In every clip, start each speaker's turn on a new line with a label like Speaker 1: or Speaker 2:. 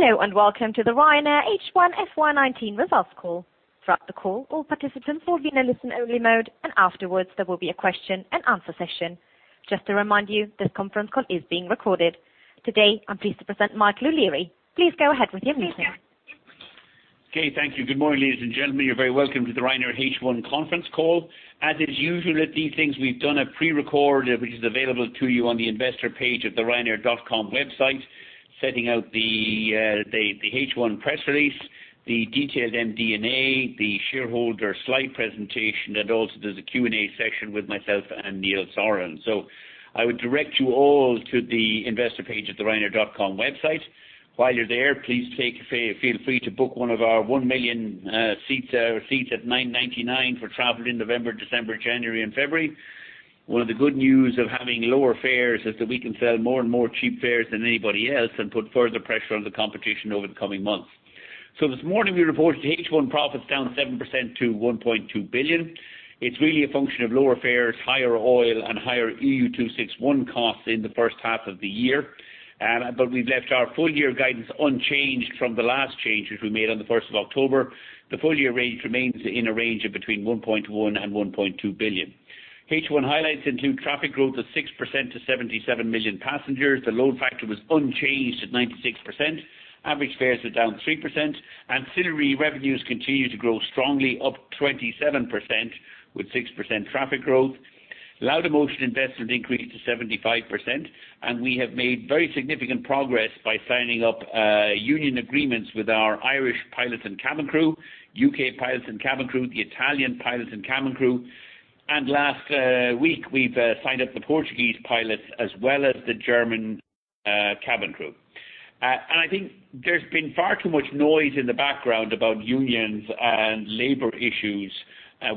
Speaker 1: Hello, welcome to the Ryanair H1 FY 2019 results call. Throughout the call, all participants will be in listen-only mode. Afterwards, there will be a question and answer session. Just to remind you, this conference call is being recorded. Today, I'm pleased to present Michael O'Leary. Please go ahead with your opening.
Speaker 2: Thank you. Good morning, ladies and gentlemen. You're very welcome to the Ryanair H1 conference call. As is usual at these things, we've done a pre-record, which is available to you on the investor page of the ryanair.com website, setting out the H1 press release, the detailed MD&A, the shareholder slide presentation. There's a Q&A section with myself and Neil Sorahan. I would direct you all to the investor page at the ryanair.com website. While you're there, please feel free to book one of our 1 million seats at 9.99 for travel in November, December, January, and February. One of the good news of having lower fares is that we can sell more and more cheap fares than anybody else and put further pressure on the competition over the coming months. This morning we reported H1 profits down 7% to 1.2 billion. It's really a function of lower fares, higher oil, and higher EU261 costs in the first half of the year. We've left our full year guidance unchanged from the last change, which we made on the 1st of October. The full year range remains in a range of between 1.1 billion and 1.2 billion. H1 highlights include traffic growth of 6% to 77 million passengers. The load factor was unchanged at 96%. Average fares are down 3%. Ancillary revenues continue to grow strongly, up 27%, with 6% traffic growth. Laudamotion investment increased to 75%. We have made very significant progress by signing up union agreements with our Irish pilots and cabin crew, U.K. pilots and cabin crew, the Italian pilots and cabin crew. Last week, we've signed up the Portuguese pilots as well as the German cabin crew. I think there's been far too much noise in the background about unions and labor issues.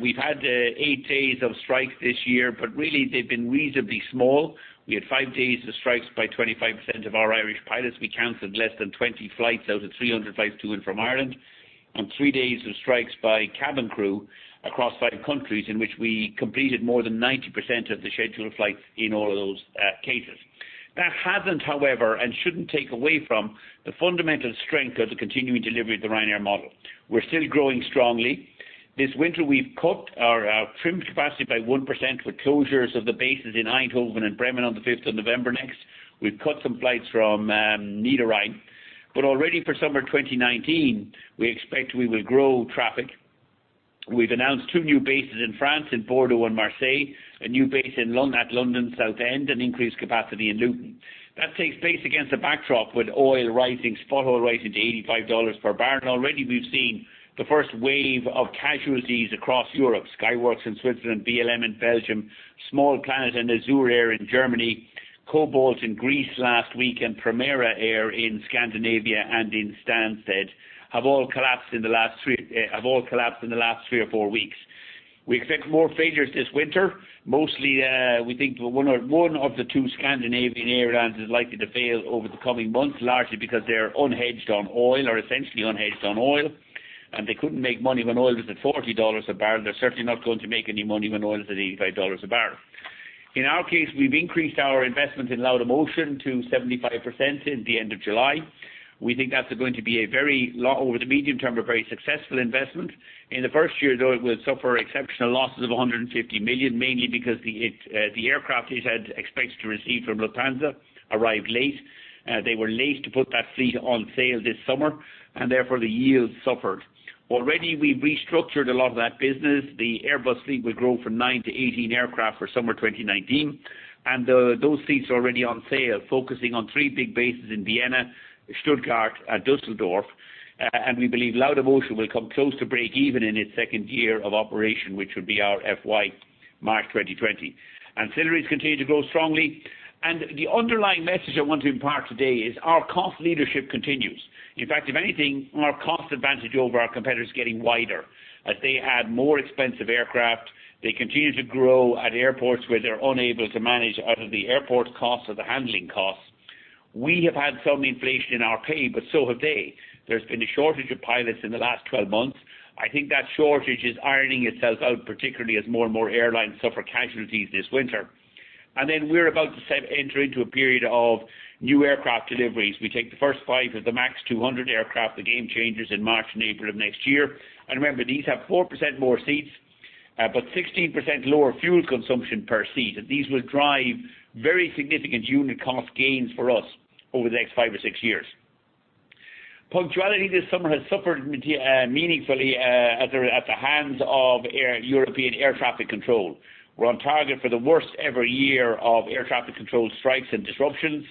Speaker 2: We've had 8 days of strikes this year. Really, they've been reasonably small. We had 5 days of strikes by 25% of our Irish pilots. We canceled less than 20 flights out of 300 flights to and from Ireland. Three days of strikes by cabin crew across 5 countries, in which we completed more than 90% of the scheduled flights in all of those cases. That hasn't, however, shouldn't take away from the fundamental strength of the continuing delivery of the Ryanair model. We're still growing strongly. This winter, we've cut or trimmed capacity by 1% with closures of the bases in Eindhoven and Bremen on the 5th of November next. We've cut some flights from Niederrhein. Already for summer 2019, we expect we will grow traffic. We've announced two new bases in France in Bordeaux and Marseille, a new base at London Southend, and increased capacity in Luton. That takes place against a backdrop with oil rising, spot oil rising to $85 per barrel. Already we've seen the first wave of casualties across Europe, SkyWork Airlines in Switzerland, VLM Airlines in Belgium, Small Planet Airlines and Azur Air Germany in Germany, Cobalt in Greece last week, and Primera Air in Scandinavia and in Stansted have all collapsed in the last three or four weeks. We expect more failures this winter. Mostly, we think one of the two Scandinavian airlines is likely to fail over the coming months, largely because they're unhedged on oil or essentially unhedged on oil, and they couldn't make money when oil was at $40 a barrel. They're certainly not going to make any money when oil is at $85 a barrel. In our case, we've increased our investment in Laudamotion to 75% at the end of July. We think that's going to be a very, over the medium term, a very successful investment. In the first year, though, it will suffer exceptional losses of 150 million, mainly because the aircraft it had expected to receive from Lufthansa arrived late. They were late to put that fleet on sale this summer, and therefore the yield suffered. Already we've restructured a lot of that business. The Airbus fleet will grow from nine to 18 aircraft for summer 2019, and those seats are already on sale, focusing on three big bases in Vienna, Stuttgart, and Düsseldorf. We believe Laudamotion will come close to break even in its second year of operation, which would be our FY March 2020. Ancillaries continue to grow strongly. The underlying message I want to impart today is our cost leadership continues. In fact, if anything, our cost advantage over our competitors is getting wider. As they add more expensive aircraft, they continue to grow at airports where they're unable to manage out of the airport costs or the handling costs. We have had some inflation in our pay, but so have they. There's been a shortage of pilots in the last 12 months. I think that shortage is ironing itself out, particularly as more and more airlines suffer casualties this winter. We're about to enter into a period of new aircraft deliveries. We take the first five of the MAX 200 aircraft, the game changers, in March and April of next year. Remember, these have 4% more seats, but 16% lower fuel consumption per seat, and these will drive very significant unit cost gains for us over the next five or six years. Punctuality this summer has suffered meaningfully at the hands of European air traffic control. We're on target for the worst ever year of air traffic control strikes and disruptions.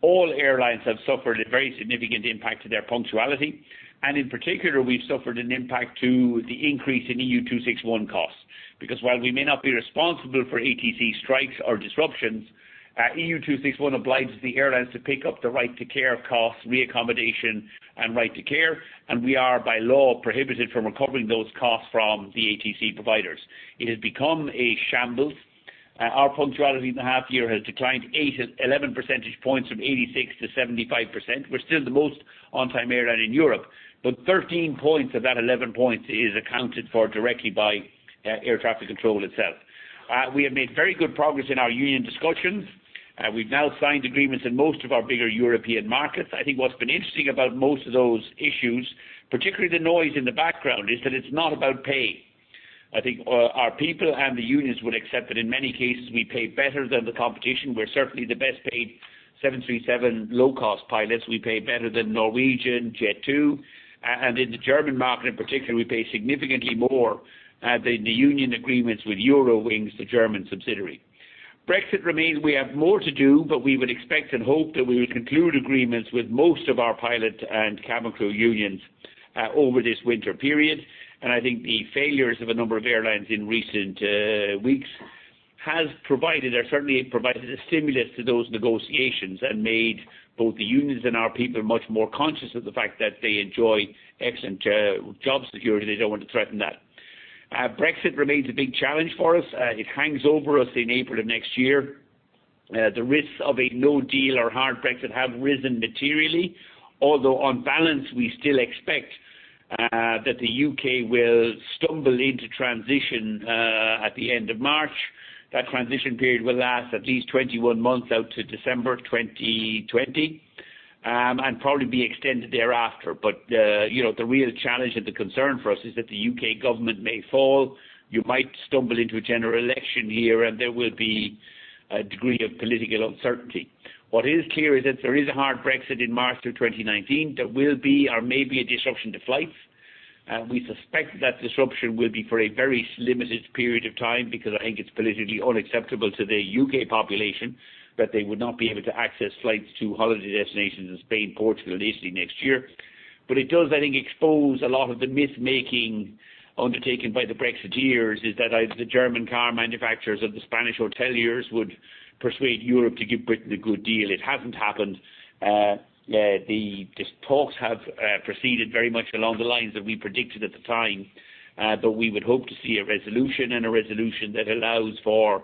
Speaker 2: All airlines have suffered a very significant impact to their punctuality, and in particular, we've suffered an impact to the increase in EU261 costs. While we may not be responsible for ATC strikes or disruptions, EU261 obliges the airlines to pick up the right to care costs, reaccommodation, and right to care, and we are by law prohibited from recovering those costs from the ATC providers. It has become a shambles. Our punctuality in the half year has declined 11 percentage points from 86% to 75%. 13 points of that 11 points is accounted for directly by air traffic control itself. We have made very good progress in our union discussions. We've now signed agreements in most of our bigger European markets. I think what's been interesting about most of those issues, particularly the noise in the background, is that it's not about pay. I think our people and the unions would accept that in many cases, we pay better than the competition. We're certainly the best-paid 737 low-cost pilots. We pay better than Norwegian, Jet2, and in the German market in particular, we pay significantly more than the union agreements with Eurowings, the German subsidiary. Brexit remains. We have more to do. We would expect and hope that we would conclude agreements with most of our pilot and cabin crew unions over this winter period. I think the failures of a number of airlines in recent weeks have provided, or certainly provided a stimulus to those negotiations and made both the unions and our people much more conscious of the fact that they enjoy excellent job security. They don't want to threaten that. Brexit remains a big challenge for us. It hangs over us in April of next year. The risks of a no-deal or hard Brexit have risen materially, although on balance, we still expect that the U.K. will stumble into transition at the end of March. That transition period will last at least 21 months out to December 2020 and probably be extended thereafter. The real challenge and the concern for us is that the U.K. government may fall. You might stumble into a general election year, and there will be a degree of political uncertainty. What is clear is that if there is a hard Brexit in March of 2019, there will be or may be a disruption to flights. We suspect that disruption will be for a very limited period of time because I think it's politically unacceptable to the U.K. population that they would not be able to access flights to holiday destinations in Spain, Portugal, and Italy next year. It does, I think expose a lot of the myth-making undertaken by the Brexiteers is that either the German car manufacturers or the Spanish hoteliers would persuade Europe to give Britain a good deal. It hasn't happened. These talks have proceeded very much along the lines that we predicted at the time. We would hope to see a resolution and a resolution that allows for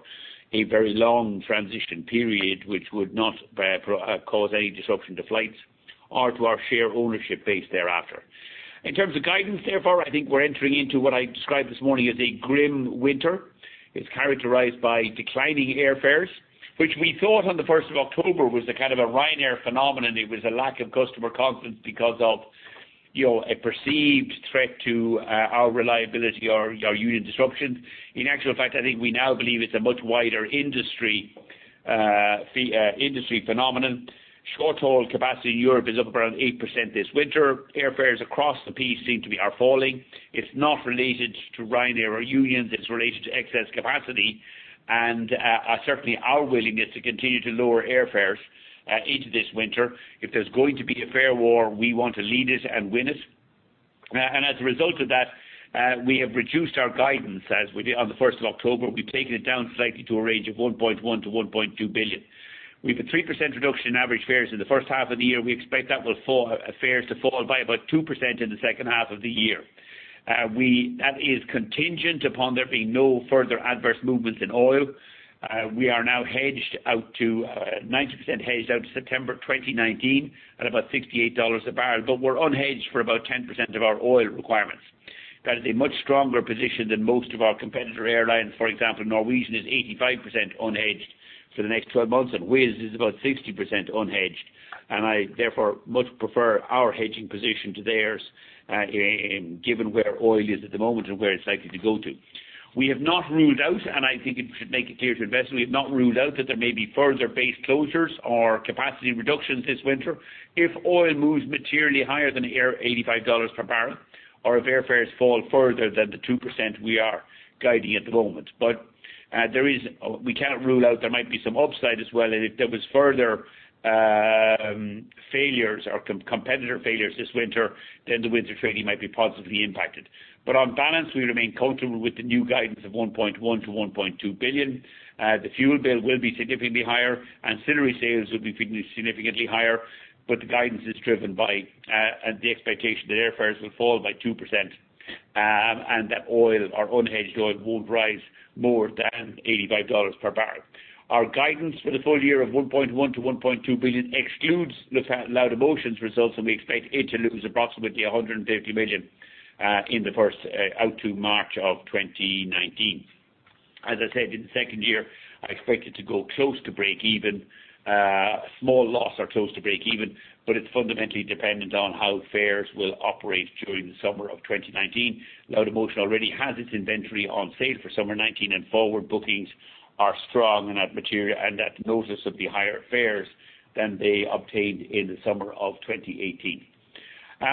Speaker 2: a very long transition period, which would not cause any disruption to flights or to our share ownership base thereafter. In terms of guidance, therefore, I think we're entering into what I described this morning as a grim winter. It's characterized by declining airfares, which we thought on the 1st of October was a kind of a Ryanair phenomenon. It was a lack of customer confidence because of a perceived threat to our reliability or union disruption. In actual fact, I think we now believe it's a much wider industry phenomenon. Short-haul capacity in Europe is up around 8% this winter. Airfares across the piece seem to be falling. It's not related to Ryanair or unions. It's related to excess capacity and certainly our willingness to continue to lower airfares into this winter. If there's going to be a fare war, we want to lead it and win it. As a result of that, we have reduced our guidance as we did on the 1st of October. We've taken it down slightly to a range of 1.1 billion-1.2 billion. We've a 3% reduction in average fares in the first half of the year. We expect fares to fall by about 2% in the second half of the year. That is contingent upon there being no further adverse movements in oil. We are now 90% hedged out to September 2019 at about $68 a barrel. We're unhedged for about 10% of our oil requirements. That is a much stronger position than most of our competitor airlines. For example, Norwegian is 85% unhedged for the next 12 months. Wizz is about 60% unhedged. I, therefore, much prefer our hedging position to theirs, given where oil is at the moment and where it's likely to go to. We have not ruled out that there may be further base closures or capacity reductions this winter if oil moves materially higher than $85 per barrel or if airfares fall further than the 2% we are guiding at the moment. We can't rule out there might be some upside as well. If there was further failures or competitor failures this winter, then the winter trading might be positively impacted. On balance, we remain comfortable with the new guidance of 1.1 billion-1.2 billion. The fuel bill will be significantly higher. Ancillary sales will be significantly higher. The guidance is driven by the expectation that airfares will fall by 2% and that oil or unhedged oil won't rise more than $85 per barrel. Our guidance for the full year of 1.1 billion-1.2 billion excludes Laudamotion's results. We expect it to lose approximately 150 million out to March of 2019. As I said, in the second year, I expect it to go close to break even. A small loss or close to break even. It's fundamentally dependent on how fares will operate during the summer of 2019. Laudamotion already has its inventory on sale for summer 2019. Forward bookings are strong and at notice of the higher fares than they obtained in the summer of 2018.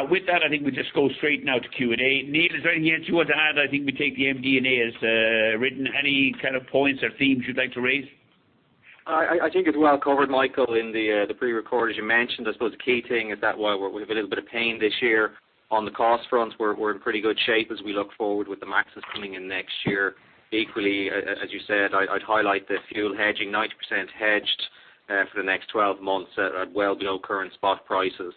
Speaker 2: With that, I think we just go straight now to Q&A. Neil, is there anything else you want to add? I think we take the MD&A as written. Any kind of points or themes you'd like to raise?
Speaker 3: I think it's well covered, Michael, in the pre-record, as you mentioned. I suppose the key thing is that while we have a little bit of pain this year on the cost front, we're in pretty good shape as we look forward with the MAXs coming in next year. Equally, as you said, I'd highlight the fuel hedging, 90% hedged for the next 12 months at well below current spot prices.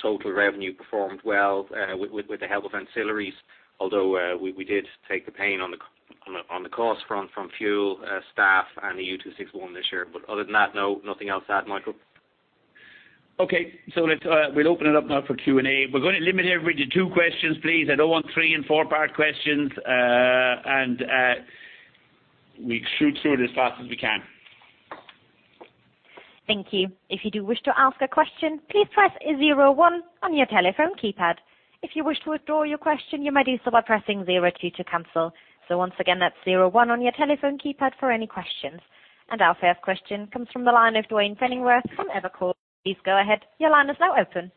Speaker 3: Total revenue performed well with the help of ancillaries. Although we did take the pain on the cost front from fuel, staff, and the EU261 this year. Other than that, no, nothing else to add, Michael.
Speaker 2: Let's open it up now for Q&A. We're going to limit everybody to two questions, please. I don't want three and four-part questions. We'll shoot through it as fast as we can.
Speaker 1: Thank you. If you do wish to ask a question, please press 01 on your telephone keypad. If you wish to withdraw your question, you may do so by pressing 02 to cancel. Once again, that's 01 on your telephone keypad for any questions. Our first question comes from the line of Duane Pfennigwerth from Evercore. Please go ahead. Your line is now open.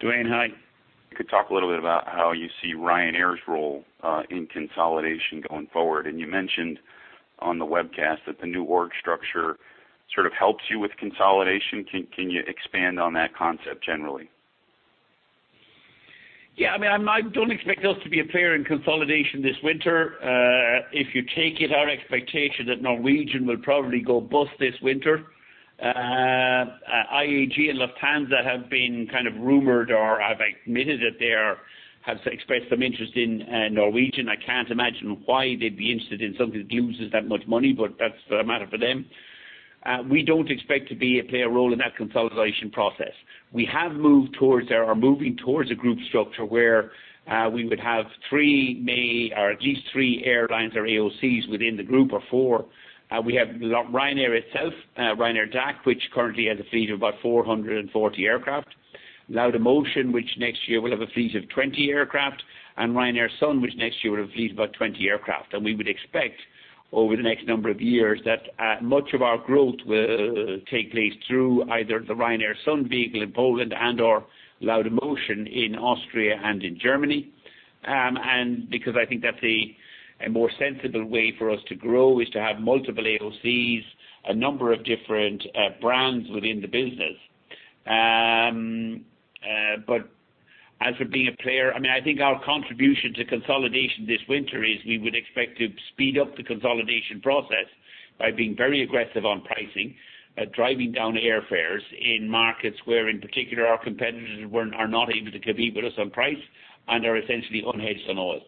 Speaker 4: Duane, hi. You could talk a little bit about how you see Ryanair's role in consolidation going forward. You mentioned on the webcast that the new org structure sort of helps you with consolidation. Can you expand on that concept generally?
Speaker 2: Yeah. I don't expect us to be a player in consolidation this winter. If you take it, our expectation that Norwegian will probably go bust this winter. IAG and Lufthansa have been kind of rumored or have admitted that they have expressed some interest in Norwegian. I can't imagine why they'd be interested in something that loses that much money, but that's a matter for them. We don't expect to play a role in that consolidation process. We have moved towards or are moving towards a group structure where we would have three main or at least three airlines or AOCs within the group, or four. We have Ryanair itself, Ryanair DAC, which currently has a fleet of about 440 aircraft. Laudamotion, which next year will have a fleet of 20 aircraft, and Ryanair Sun, which next year will have a fleet of about 20 aircraft. We would expect over the next number of years that much of our growth will take place through either the Ryanair Sun vehicle in Poland and/or Laudamotion in Austria and in Germany. I think that's a more sensible way for us to grow, is to have multiple AOCs, a number of different brands within the business. As for being a player, I think our contribution to consolidation this winter is we would expect to speed up the consolidation process by being very aggressive on pricing, driving down airfares in markets where, in particular, our competitors are not able to compete with us on price and are essentially unhedged on oil.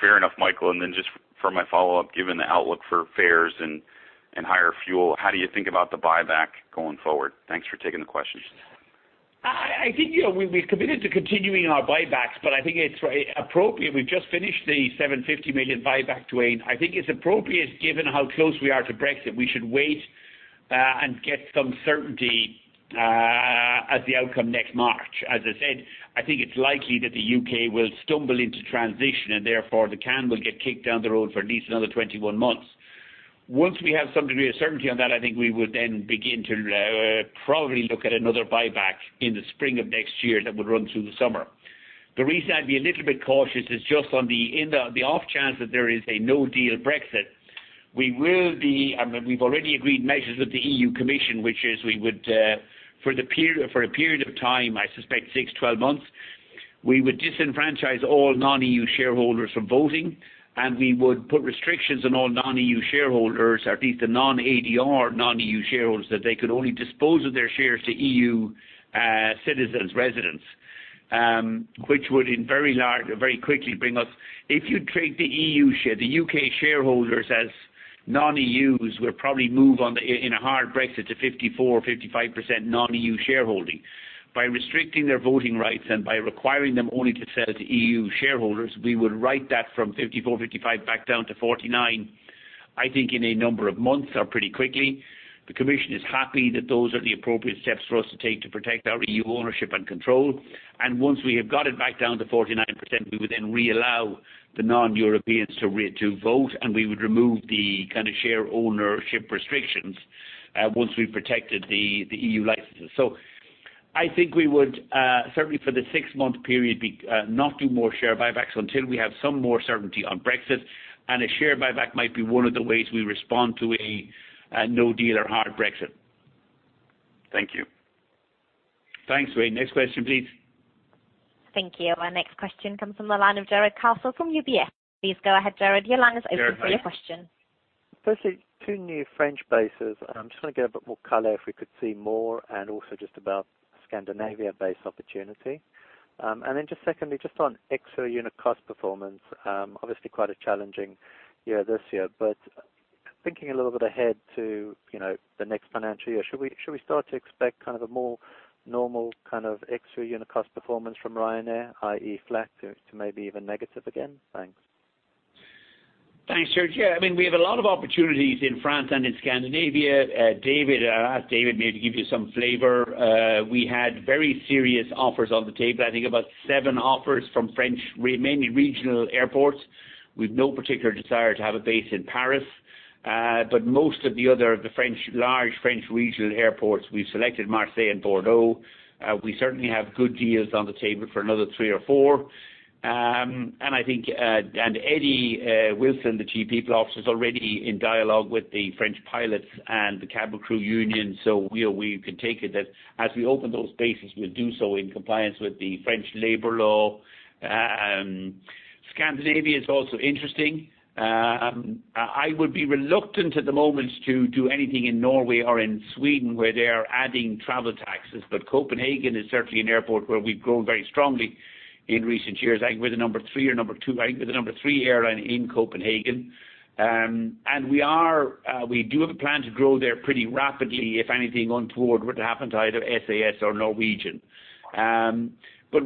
Speaker 4: Fair enough, Michael. Then just for my follow-up, given the outlook for fares and higher fuel, how do you think about the buyback going forward? Thanks for taking the questions.
Speaker 2: I think we've committed to continuing our buybacks, but I think it's appropriate. We've just finished the 750 million buyback, Duane. I think it's appropriate given how close we are to Brexit. We should wait and get some certainty as the outcome next March. As I said, I think it's likely that the U.K. will stumble into transition, and therefore the can will get kicked down the road for at least another 21 months. Once we have some degree of certainty on that, I think we would then begin to probably look at another buyback in the spring of next year that would run through the summer. The reason I'd be a little bit cautious is just on the off chance that there is a no-deal Brexit. We've already agreed measures with the European Commission, which is we would, for a period of time, I suspect 6-12 months, we would disenfranchise all non-EU shareholders from voting, and we would put restrictions on all non-EU shareholders, or at least the non-ADR non-EU shareholders, that they could only dispose of their shares to EU citizens, residents, which would very quickly bring us. If you treat the U.K. shareholders as non-E.U.s, we'll probably move on in a hard Brexit to 54%-55% non-EU shareholding. By restricting their voting rights and by requiring them only to sell to EU shareholders, we would right that from 54%-55% back down to 49%, I think in a number of months or pretty quickly. The Commission is happy that those are the appropriate steps for us to take to protect our EU ownership and control. Once we have got it back down to 49%, we would reallow the non-Europeans to vote, and we would remove the kind of share ownership restrictions once we've protected the EU licenses. I think we would, certainly for the 6-month period, not do more share buybacks until we have some more certainty on Brexit. A share buyback might be one of the ways we respond to a no-deal or hard Brexit.
Speaker 4: Thank you.
Speaker 2: Thanks, Duane. Next question, please.
Speaker 1: Thank you. Our next question comes from the line of Jarrod Castle from UBS. Please go ahead, Jarrod. Your line is open for your question.
Speaker 2: Jarrod, hi.
Speaker 5: Two new French bases. I'm just going to get a bit more color if we could see more and also just about Scandinavia base opportunity. Secondly, just on extra unit cost performance. Obviously quite a challenging year this year. Thinking a little bit ahead to the next financial year, should we start to expect kind of a more normal kind of extra unit cost performance from Ryanair, i.e. flat to maybe even negative again? Thanks.
Speaker 2: Thanks, Jarrod. Yeah, we have a lot of opportunities in France and in Scandinavia. I'll ask David maybe to give you some flavor. We had very serious offers on the table. I think about seven offers from French, mainly regional airports, with no particular desire to have a base in Paris. Most of the other of the large French regional airports, we've selected Marseille and Bordeaux. We certainly have good deals on the table for another three or four. Eddie Wilson, the Chief People Officer, is already in dialogue with the French pilots and the cabin crew union. We could take it that as we open those bases, we'll do so in compliance with the French labor law and Scandinavia is also interesting. I would be reluctant at the moment to do anything in Norway or in Sweden, where they are adding travel taxes. Copenhagen is certainly an airport where we've grown very strongly in recent years. I think we're the number three airline in Copenhagen. We do have a plan to grow there pretty rapidly, if anything untoward were to happen to either SAS or Norwegian.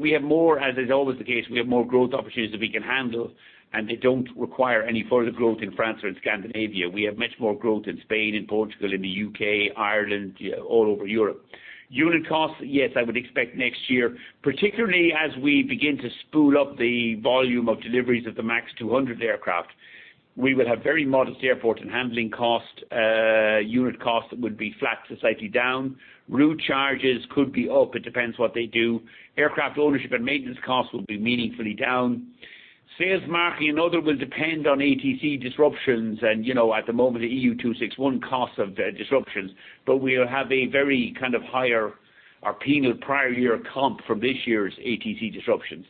Speaker 2: We have more, as is always the case, we have more growth opportunities than we can handle, and they don't require any further growth in France or in Scandinavia. We have much more growth in Spain, in Portugal, in the U.K., Ireland, all over Europe. Unit costs, yes, I would expect next year, particularly as we begin to spool up the volume of deliveries of the MAX 200 aircraft. We will have very modest airport and handling cost. Unit cost would be flat to slightly down. Route charges could be up. It depends what they do. Aircraft ownership and maintenance costs will be meaningfully down. Sales, marketing, and other will depend on ATC disruptions and, at the moment, the EU261 cost of disruptions. We'll have a very higher or penal prior year comp from this year's ATC disruptions.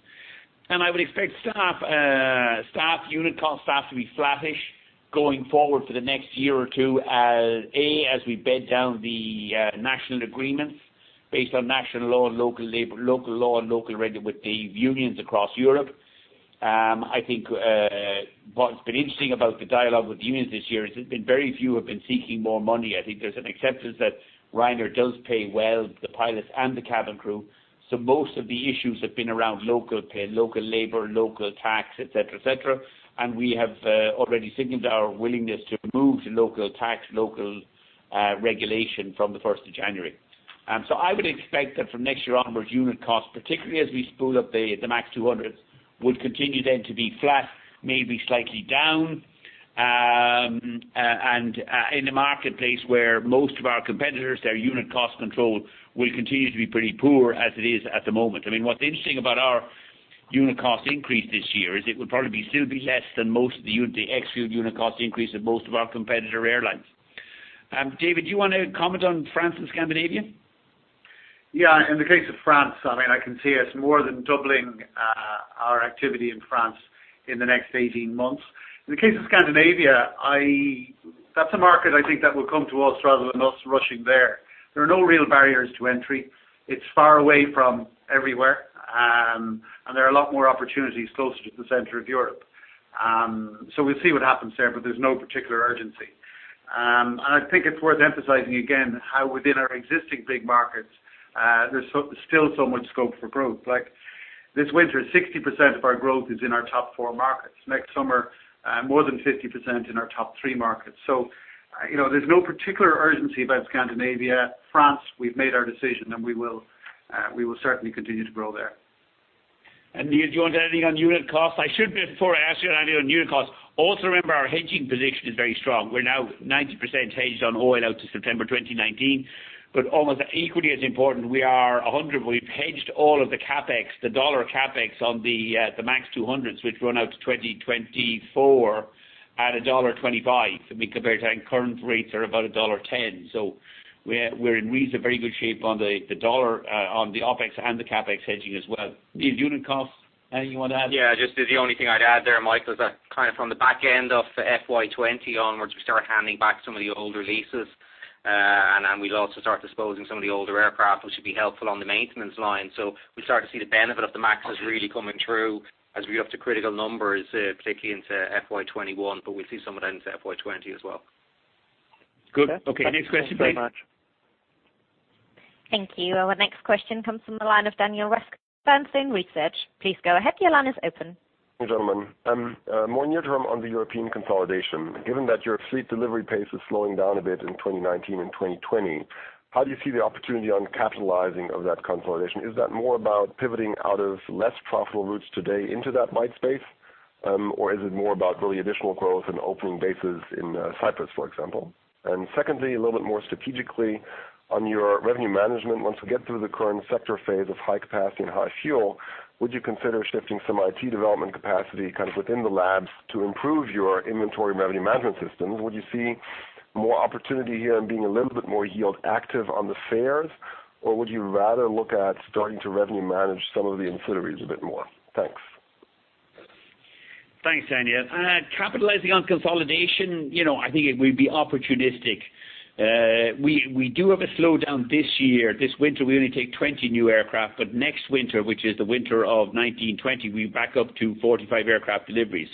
Speaker 2: I would expect staff unit costs to be flattish going forward for the next year or two as we bed down the national agreements based on national law and local labor, local law, and local regulation with the unions across Europe. I think what's been interesting about the dialogue with unions this year is it's been very few have been seeking more money. I think there's an acceptance that Ryanair does pay well, the pilots and the cabin crew. Most of the issues have been around local pay, local labor, local tax, et cetera. We have already signaled our willingness to move to local tax, local regulation from the 1st of January. I would expect that from next year onwards, unit costs, particularly as we spool up the MAX 200, will continue then to be flat, maybe slightly down. In a marketplace where most of our competitors, their unit cost control will continue to be pretty poor as it is at the moment. What's interesting about our unit cost increase this year is it will probably still be less than most of the ex-fuel unit cost increase of most of our competitor airlines. David, do you want to comment on France and Scandinavia?
Speaker 6: Yeah. In the case of France, I can see us more than doubling our activity in France in the next 18 months. In the case of Scandinavia, that's a market I think that will come to us rather than us rushing there. There are no real barriers to entry. It's far away from everywhere. There are a lot more opportunities closer to the center of Europe. We'll see what happens there, but there's no particular urgency. I think it's worth emphasizing again how within our existing big markets, there's still so much scope for growth. Like this winter, 60% of our growth is in our top four markets. Next summer, more than 50% in our top three markets. There's no particular urgency about Scandinavia. France, we've made our decision, and we will certainly continue to grow there.
Speaker 2: Neil, do you want to add anything on unit costs? I should before I ask you anything on unit costs. Also remember our hedging position is very strong. We're now 90% hedged on oil out to September 2019. Almost equally as important, we've hedged all of the CapEx, the dollar CapEx on the MAX 200s, which run out to 2024 at a $1.25. Compared to current rates are about $1.10. We're in very good shape on the dollar, on the OpEx and the CapEx hedging as well. Neil, unit costs, anything you want to add?
Speaker 3: Yeah, just the only thing I'd add there, Michael, is that from the back end of FY 2020 onwards, we start handing back some of the old leases. We'll also start disposing some of the older aircraft, which will be helpful on the maintenance line. We start to see the benefit of the MAXs really coming through as we have the critical numbers, particularly into FY 2021, but we'll see some of that into FY 2020 as well.
Speaker 2: Good. Okay. Next question, please.
Speaker 5: Thanks very much.
Speaker 1: Thank you. Our next question comes from the line of Daniel Roeska, Bernstein Research. Please go ahead. Your line is open.
Speaker 7: Gentlemen. More near-term on the European consolidation. Given that your fleet delivery pace is slowing down a bit in 2019 and 2020, how do you see the opportunity on capitalizing of that consolidation? Is that more about pivoting out of less profitable routes today into that white space? Or is it more about really additional growth and opening bases in Cyprus, for example? Secondly, a little bit more strategically on your revenue management. Once we get through the current sector phase of high capacity and high fuel, would you consider shifting some IT development capacity, kind of within the Ryanair Labs to improve your inventory revenue management systems? Would you see more opportunity here in being a little bit more yield active on the fares? Would you rather look at starting to revenue manage some of the ancillaries a bit more? Thanks.
Speaker 2: Thanks, Daniel. Capitalizing on consolidation, I think it would be opportunistic. We do have a slowdown this year. This winter, we only take 20 new aircraft. Next winter, which is the winter of 2019, 2020, we back up to 45 aircraft deliveries.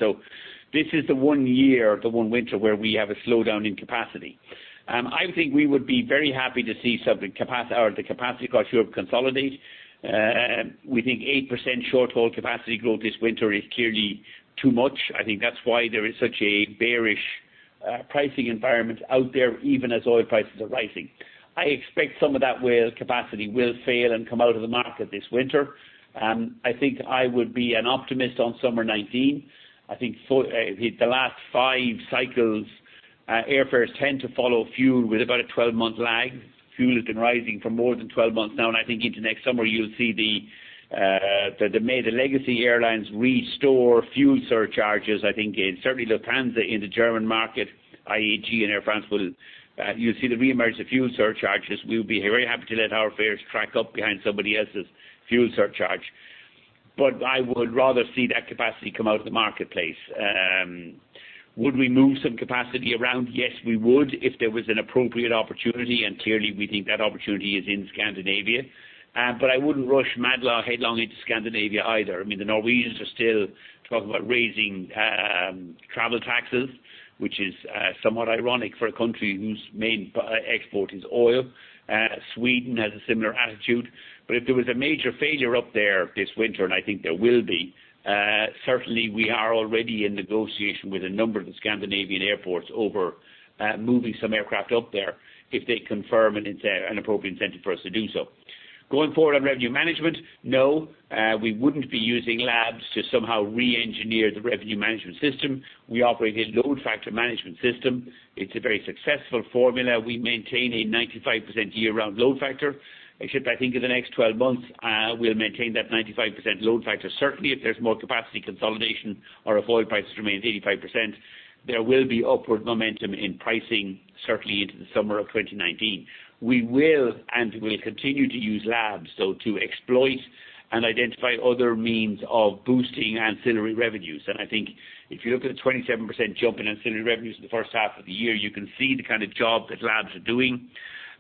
Speaker 2: This is the one year, the one winter, where we have a slowdown in capacity. I think we would be very happy to see the capacity cost Europe consolidate. We think 8% short-haul capacity growth this winter is clearly too much. I think that's why there is such a bearish pricing environment out there, even as oil prices are rising. I expect some of that capacity will fail and come out of the market this winter. I think I would be an optimist on summer 2019. I think the last five cycles, airfares tend to follow fuel with about a 12-month lag. Fuel has been rising for more than 12 months now, I think into next summer you'll see the major legacy airlines restore fuel surcharges. I think certainly Lufthansa in the German market, IAG and Air France, you'll see the reemergence of fuel surcharges. We'll be very happy to let our fares track up behind somebody else's fuel surcharge. I would rather see that capacity come out of the marketplace. Would we move some capacity around? Yes, we would, if there was an appropriate opportunity, and clearly we think that opportunity is in Scandinavia. I wouldn't rush mad long headlong into Scandinavia either. The Norwegians are still talking about raising travel taxes, which is somewhat ironic for a country whose main export is oil. Sweden has a similar attitude. If there was a major failure up there this winter, I think there will be, certainly we are already in negotiation with a number of the Scandinavian airports over moving some aircraft up there if they confirm and it's an appropriate incentive for us to do so. Going forward on revenue management, no, we wouldn't be using labs to somehow re-engineer the revenue management system. We operate a load factor management system. It's a very successful formula. We maintain a 95% year-round load factor. I think in the next 12 months, we'll maintain that 95% load factor. Certainly, if there's more capacity consolidation or if oil prices remains 85%, there will be upward momentum in pricing certainly into the summer of 2019. We will and will continue to use labs, to exploit and identify other means of boosting ancillary revenues. I think if you look at the 27% jump in ancillary revenues in the first half of the year, you can see the kind of job that labs are doing.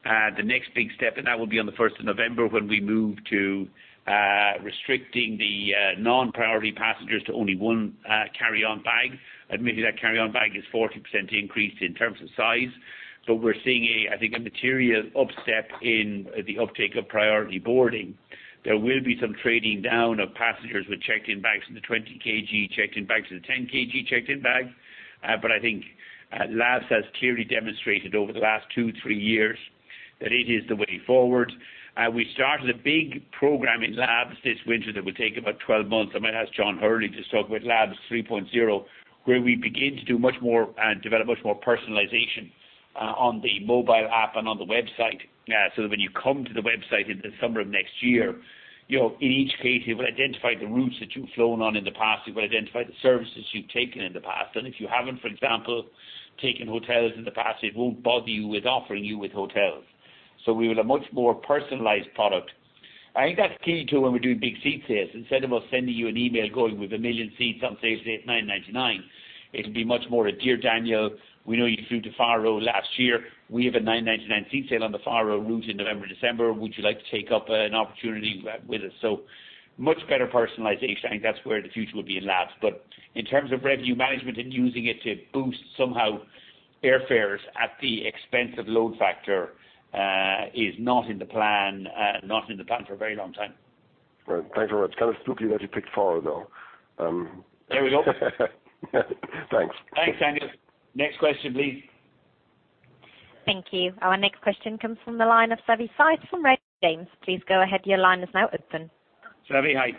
Speaker 2: The next big step, that will be on the 1st of November when we move to restricting the non-priority passengers to only one carry-on bag. Admittedly, that carry-on bag is 40% increased in terms of size. We're seeing, I think, a material up step in the uptake of priority boarding. There will be some trading down of passengers with checked-in bags in the 20 kg checked in bags to the 10 kg checked in bag. I think labs has clearly demonstrated over the last two, three years that it is the way forward. We started a big program in labs this winter that will take about 12 months. I might ask John Hurley to talk with labs 3.0, where we begin to do much more and develop much more personalization on the mobile app and on the website. That when you come to the website in the summer of next year, in each case, it will identify the routes that you've flown on in the past. It will identify the services you've taken in the past. If you haven't, for example, taken hotels in the past, it won't bother you with offering you with hotels. We have a much more personalized product. I think that's key to when we're doing big seat sales. Instead of us sending you an email going with a million seats on sale today at 9.99, it'll be much more a, "Dear Daniel, we know you flew to Faro last year. We have a 9.99 seat sale on the Faro route in November, December. Would you like to take up an opportunity with us?" Much better personalization. I think that's where the future would be in labs. In terms of revenue management and using it to boost somehow airfares at the expense of load factor is not in the plan for a very long time.
Speaker 7: Right. Thanks very much. Kind of spooky that you picked Faro, though.
Speaker 2: There we go.
Speaker 7: Thanks.
Speaker 2: Thanks, Daniel. Next question, please.
Speaker 1: Thank you. Our next question comes from the line of Savanthi Syth from James. Please go ahead. Your line is now open.
Speaker 2: Savi, hi.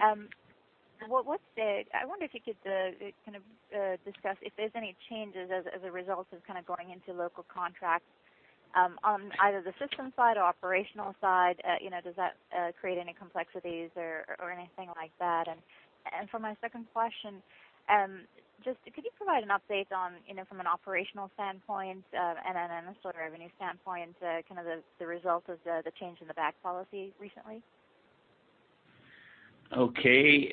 Speaker 8: I wonder if you could discuss if there's any changes as a result of going into local contracts on either the system side or operational side. Does that create any complexities or anything like that? For my second question, just could you provide an update from an operational standpoint and then a sort of revenue standpoint, kind of the result of the change in the bag policy recently?
Speaker 2: Okay.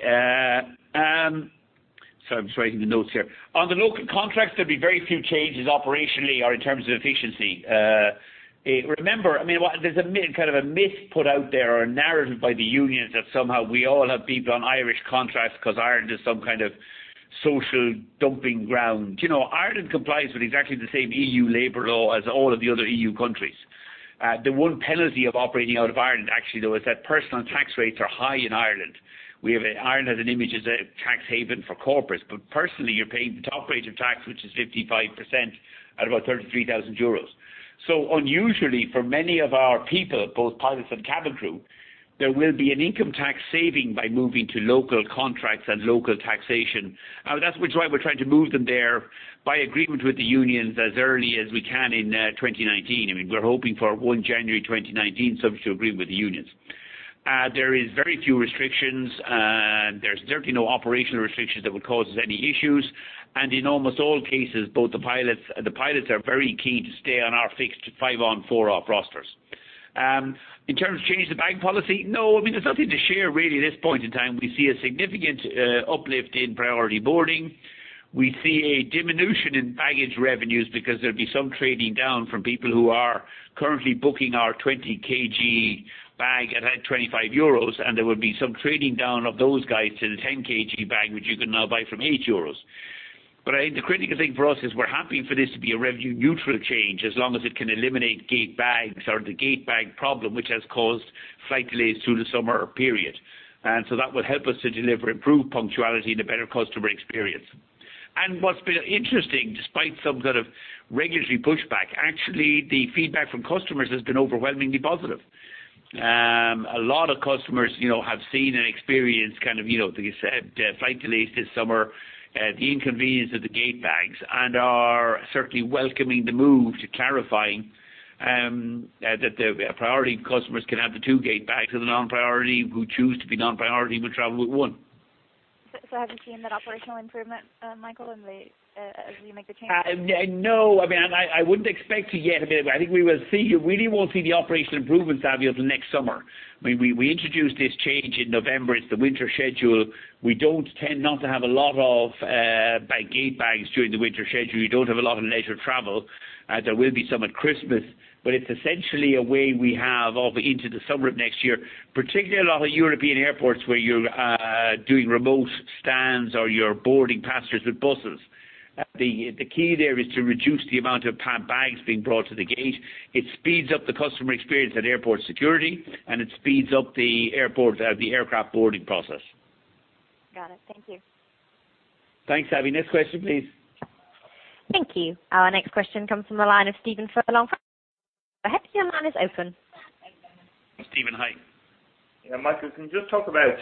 Speaker 2: Sorry, I'm just writing the notes here. On the local contracts, there'd be very few changes operationally or in terms of efficiency. Remember, there's a kind of a myth put out there or a narrative by the unions that somehow we all have people on Irish contracts because Ireland is some kind of social dumping ground. Ireland complies with exactly the same EU labor law as all of the other EU countries. The one penalty of operating out of Ireland, actually, though, is that personal tax rates are high in Ireland. Ireland has an image as a tax haven for corporates, but personally, you're paying the top rate of tax, which is 55% at about 33,000 euros. Unusually, for many of our people, both pilots and cabin crew, there will be an income tax saving by moving to local contracts and local taxation. That's why we're trying to move them there by agreement with the unions as early as we can in 2019. We're hoping for 1 January 2019, subject to agreement with the unions. There is very few restrictions. There's certainly no operational restrictions that would cause us any issues. In almost all cases, The pilots are very keen to stay on our fixed five on, four off rosters. In terms of change the bag policy, no, there's nothing to share really at this point in time. We see a significant uplift in priority boarding. We see a diminution in baggage revenues because there'll be some trading down from people who are currently booking our 20 kg bag at 25 euros, there will be some trading down of those guys to the 10 kg bag, which you can now buy from 8 euros. I think the critical thing for us is we're happy for this to be a revenue-neutral change as long as it can eliminate gate bags or the gate bag problem, which has caused flight delays through the summer period. That will help us to deliver improved punctuality and a better customer experience. What's been interesting, despite some regulatory pushback, actually, the feedback from customers has been overwhelmingly positive. A lot of customers have seen and experienced the flight delays this summer, the inconvenience of the gate bags, and are certainly welcoming the move to clarifying that the priority customers can have the two gate bags, and the non-priority who choose to be non-priority will travel with one.
Speaker 8: Have you seen that operational improvement, Michael, as you make the change?
Speaker 2: No, I wouldn't expect to yet. I think we really won't see the operational improvements, Savanthi, until next summer. We introduced this change in November. It's the winter schedule. We tend not to have a lot of gate bags during the winter schedule. We don't have a lot of leisure travel. There will be some at Christmas, but it's essentially a way we have of into the summer of next year, particularly a lot of European airports where you're doing remote stands or you're boarding passengers with buses. The key there is to reduce the amount of bags being brought to the gate. It speeds up the customer experience at airport security, and it speeds up the aircraft boarding process.
Speaker 8: Got it. Thank you.
Speaker 2: Thanks, Abby. Next question, please.
Speaker 1: Thank you. Our next question comes from the line of Stephen from. Go ahead, your line is open.
Speaker 2: Stephen, hi.
Speaker 9: Yeah, Michael, can you just talk about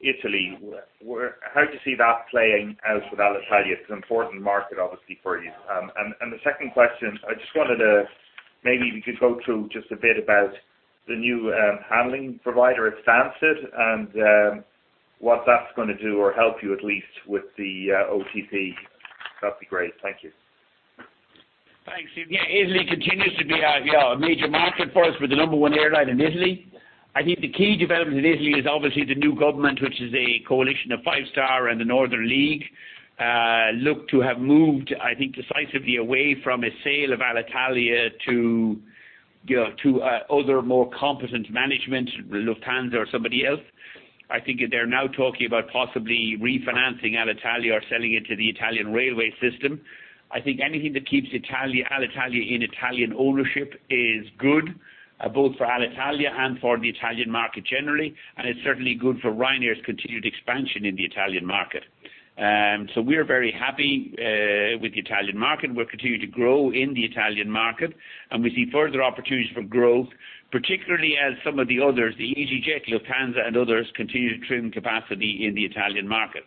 Speaker 9: Italy, how do you see that playing out with Alitalia? It's an important market, obviously, for you. The second question, maybe we could go through just a bit about the new handling provider at Stansted and what that's going to do or help you at least with the OTP. That'd be great. Thank you.
Speaker 2: Thanks, Stephen. Yeah, Italy continues to be a major market for us. We're the number one airline in Italy. I think the key development in Italy is obviously the new government, which is a coalition of Five Star and the Northern League, look to have moved, I think, decisively away from a sale of Alitalia to other more competent management, Lufthansa or somebody else. I think they're now talking about possibly refinancing Alitalia or selling it to the Italian railway system. I think anything that keeps Alitalia in Italian ownership is good, both for Alitalia and for the Italian market generally, and it's certainly good for Ryanair's continued expansion in the Italian market. We're very happy with the Italian market. We'll continue to grow in the Italian market. We see further opportunities for growth, particularly as some of the others, the easyJet, Lufthansa, and others, continue to trim capacity in the Italian market.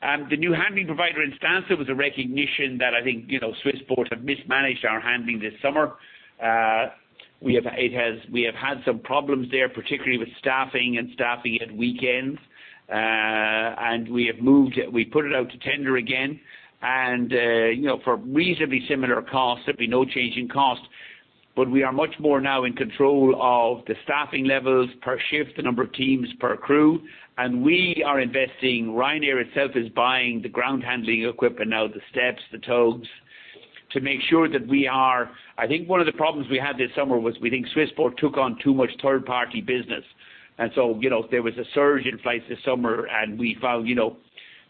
Speaker 2: The new handling provider in Stansted was a recognition that I think Swissport have mismanaged our handling this summer. We have had some problems there, particularly with staffing and staffing at weekends. We put it out to tender again. For reasonably similar costs, there'll be no change in cost. We are much more now in control of the staffing levels per shift, the number of teams per crew. We are investing. Ryanair itself is buying the ground handling equipment now, the steps, the tows, to make sure that we are. I think one of the problems we had this summer was we think Swissport took on too much third-party business. There was a surge in flights this summer, and we found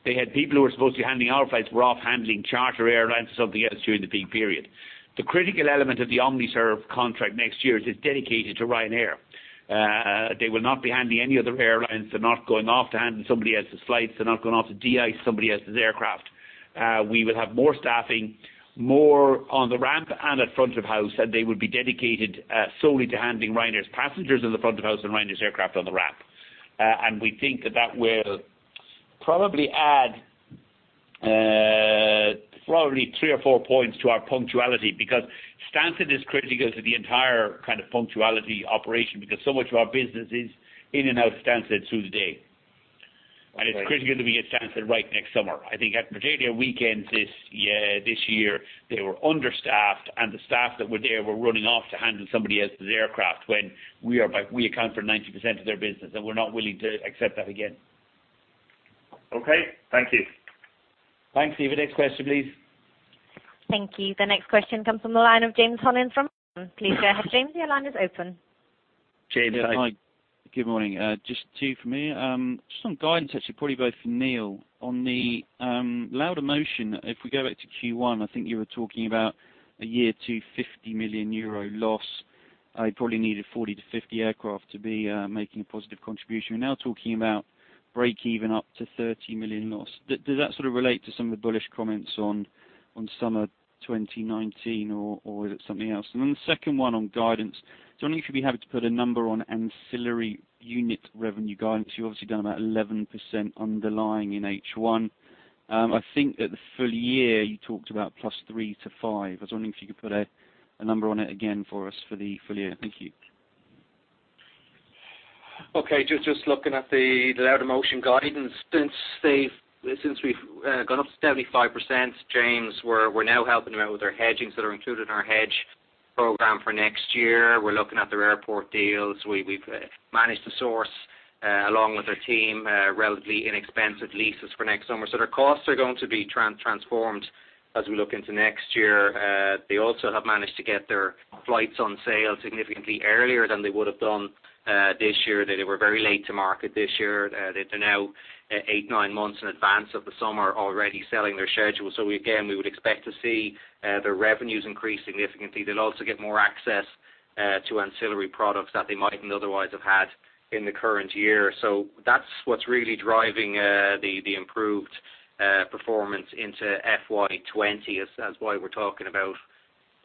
Speaker 2: they had people who were supposed to be handling our flights were off handling charter airlines or something else during the peak period. The critical element of the OmniServ contract next year is it's dedicated to Ryanair. They will not be handling any other airlines. They're not going off to handle somebody else's flights. They're not going off to de-ice somebody else's aircraft. We will have more staffing, more on the ramp and at front of house, and they will be dedicated solely to handling Ryanair's passengers in the front of house and Ryanair's aircraft on the ramp. We think that that will probably add three or four points to our punctuality because Stansted is critical to the entire punctuality operation because so much of our business is in and out of Stansted through the day.
Speaker 9: Right.
Speaker 2: It's critical that we get Stansted right next summer. I think at majority of weekends this year, they were understaffed, and the staff that were there were running off to handle somebody else's aircraft when we account for 90% of their business, and we're not willing to accept that again.
Speaker 9: Okay. Thank you.
Speaker 2: Thanks, Stephen. Next question, please.
Speaker 1: Thank you. The next question comes from the line of James Hollins from. Please go ahead, James. Your line is open.
Speaker 2: James, hi.
Speaker 10: Yeah. Hi. Good morning. Just two for me. Just on guidance, actually, probably both for Neil. On the Laudamotion, if we go back to Q1, I think you were talking about a year to 50 million euro loss. Probably needed 40-50 aircraft to be making a positive contribution. We're now talking about break even up to 30 million loss. Does that sort of relate to some of the bullish comments on summer 2019, or is it something else? The second one on guidance. Just wondering if you'd be happy to put a number on ancillary unit revenue guidance. You've obviously done about 11% underlying in H1. I think at the full year, you talked about plus 3%-5%. I was wondering if you could put a number on it again for us for the full year. Thank you.
Speaker 3: Okay. Just looking at the Laudamotion guidance. Since we've gone up to 75%, James, we're now helping them out with their hedgings that are included in our hedge program for next year. We're looking at their airport deals. We've managed to source, along with their team, relatively inexpensive leases for next summer. Their costs are going to be transformed as we look into next year. They also have managed to get their flights on sale significantly earlier than they would have done this year. They were very late to market this year. They're now eight, nine months in advance of the summer already selling their schedule. Again, we would expect to see their revenues increase significantly. They'll also get more access to ancillary products that they mightn't otherwise have had in the current year. That's what's really driving the improved performance into FY 2020. That's why we're talking about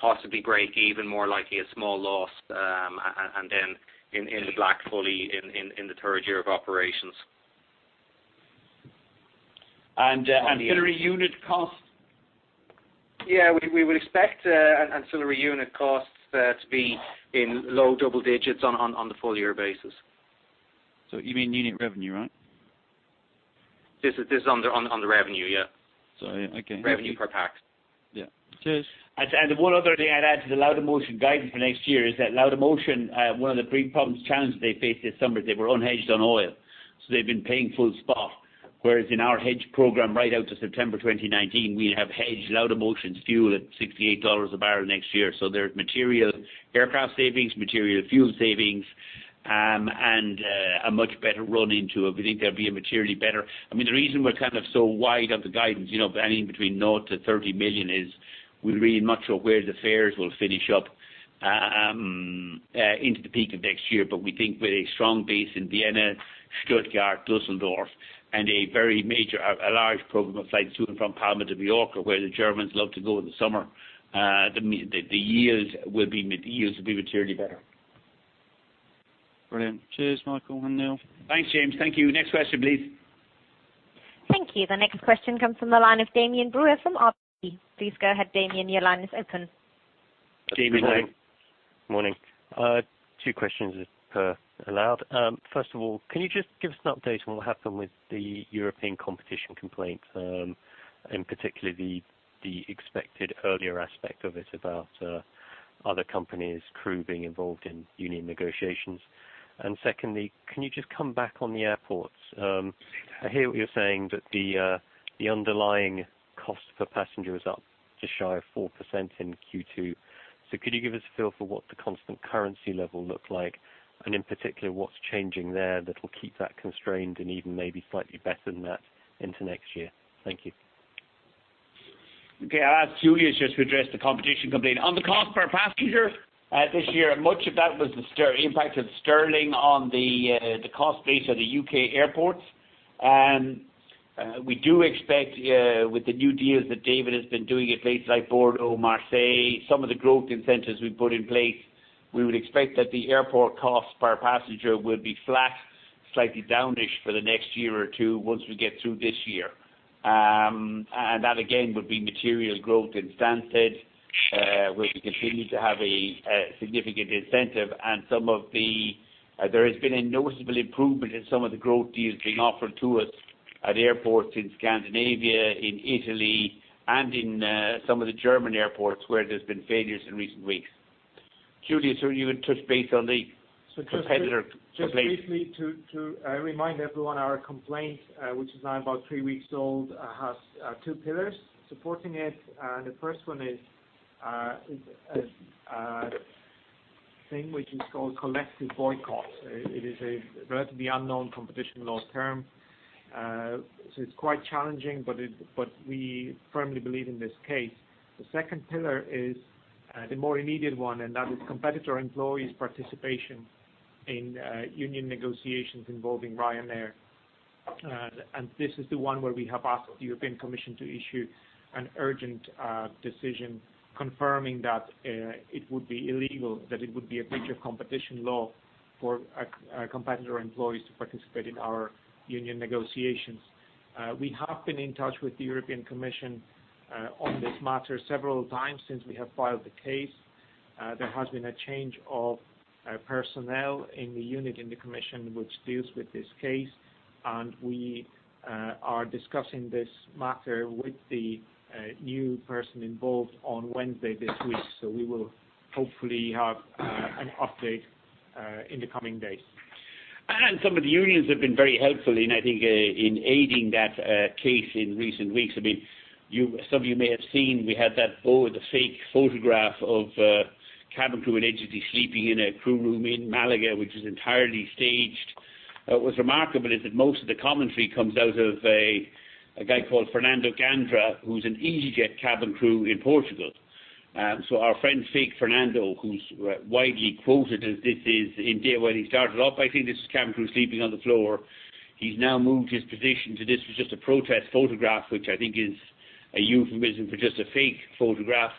Speaker 3: possibly break even, more likely a small loss, and then in the black fully in the third year of operations.
Speaker 2: Ancillary unit cost
Speaker 3: Yeah. We would expect ancillary unit costs to be in low double digits on the full-year basis.
Speaker 10: You mean unit revenue, right?
Speaker 11: This is on the revenue, yeah.
Speaker 10: Sorry. Okay. Revenue per pax. Yeah. Cheers.
Speaker 2: The one other thing I'd add to the Laudamotion guidance for next year is that Laudamotion, one of the big problems, challenges they faced this summer is they were unhedged on oil, so they've been paying full spot. Whereas in our hedge program right out to September 2019, we have hedged Laudamotion's fuel at EUR 68 a barrel next year. There's material aircraft savings, material fuel savings, and a much better run into it. The reason we're so wide of the guidance, banning between 0-EUR 30 million is, we're really not sure where the fares will finish up into the peak of next year. We think with a strong base in Vienna, Stuttgart, Dusseldorf, and a large program of flights to and from Palma de Mallorca where the Germans love to go in the summer, the yields will be materially better.
Speaker 10: Brilliant. Cheers, Michael and Neil.
Speaker 2: Thanks, James. Thank you. Next question, please.
Speaker 1: Thank you. The next question comes from the line of Damian Brewer from RBC. Please go ahead, Damian. Your line is open.
Speaker 2: Damian.
Speaker 12: Good morning. Morning.
Speaker 11: Morning. Two questions if allowed. First of all, can you just give us an update on what happened with the European competition complaint, and particularly the expected earlier aspect of it about other companies' crew being involved in union negotiations? Secondly, can you just come back on the airports? I hear what you're saying that the underlying cost per passenger is up just shy of 4% in Q2. Could you give us a feel for what the constant currency level looks like, and in particular, what's changing there that will keep that constrained and even maybe slightly better than that into next year? Thank you.
Speaker 2: Okay. I'll ask Julius just to address the competition complaint. On the cost per passenger this year, much of that was the impact of sterling on the cost base of the U.K. airports. We do expect with the new deals that David has been doing at places like Bordeaux, Marseille, some of the growth incentives we've put in place, we would expect that the airport cost per passenger will be flat, slightly downish for the next year or two once we get through this year. That again, would be material growth in Stansted, where we continue to have a significant incentive, and there has been a noticeable improvement in some of the growth deals being offered to us at airports in Scandinavia, in Italy, and in some of the German airports where there's been failures in recent weeks. Julius, you want to touch base on the competitor complaint?
Speaker 11: Just briefly to remind everyone, our complaint, which is now about three weeks old, has two pillars supporting it. The first one is a thing which is called collective boycott. It is a relatively unknown competition law term. It's quite challenging, but we firmly believe in this case. The second pillar is the more immediate one, and that is competitor employees' participation in union negotiations involving Ryanair. This is the one where we have asked the European Commission to issue an urgent decision confirming that it would be illegal, that it would be a breach of competition law for competitor employees to participate in our union negotiations. We have been in touch with the European Commission on this matter several times since we have filed the case. There has been a change of personnel in the unit in the Commission which deals with this case, we are discussing this matter with the new person involved on Wednesday this week. We will hopefully have an update in the coming days.
Speaker 2: Some of the unions have been very helpful, I think, in aiding that case in recent weeks. Some of you may have seen we had that faux, the fake photograph of a cabin crew allegedly sleeping in a crew room in Málaga, which was entirely staged. What's remarkable is that most of the commentary comes out of a guy called Fernando Gandra, who's an easyJet cabin crew in Portugal. Our friend, fake Fernando, who's widely quoted as this is in day when he started off, I think this is cabin crew sleeping on the floor. He's now moved his position to this was just a protest photograph, which I think is a euphemism for just a fake photograph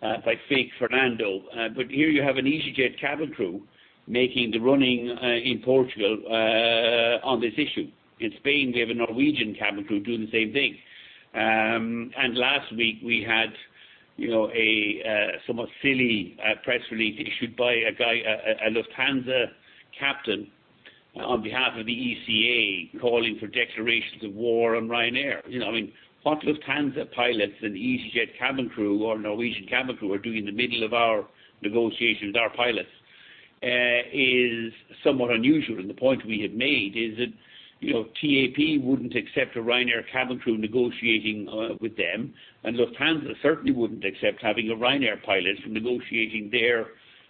Speaker 2: by fake Fernando. Here you have an easyJet cabin crew making the running in Portugal on this issue. In Spain, we have a Norwegian cabin crew doing the same thing. Last week we had a somewhat silly press release issued by a guy, a Lufthansa captain, on behalf of the ECA, calling for declarations of war on Ryanair. What Lufthansa pilots and easyJet cabin crew or Norwegian cabin crew are doing in the middle of our negotiations with our pilots is somewhat unusual, and the point we have made is that TAP wouldn't accept a Ryanair cabin crew negotiating with them, and Lufthansa certainly wouldn't accept having a Ryanair pilot negotiating there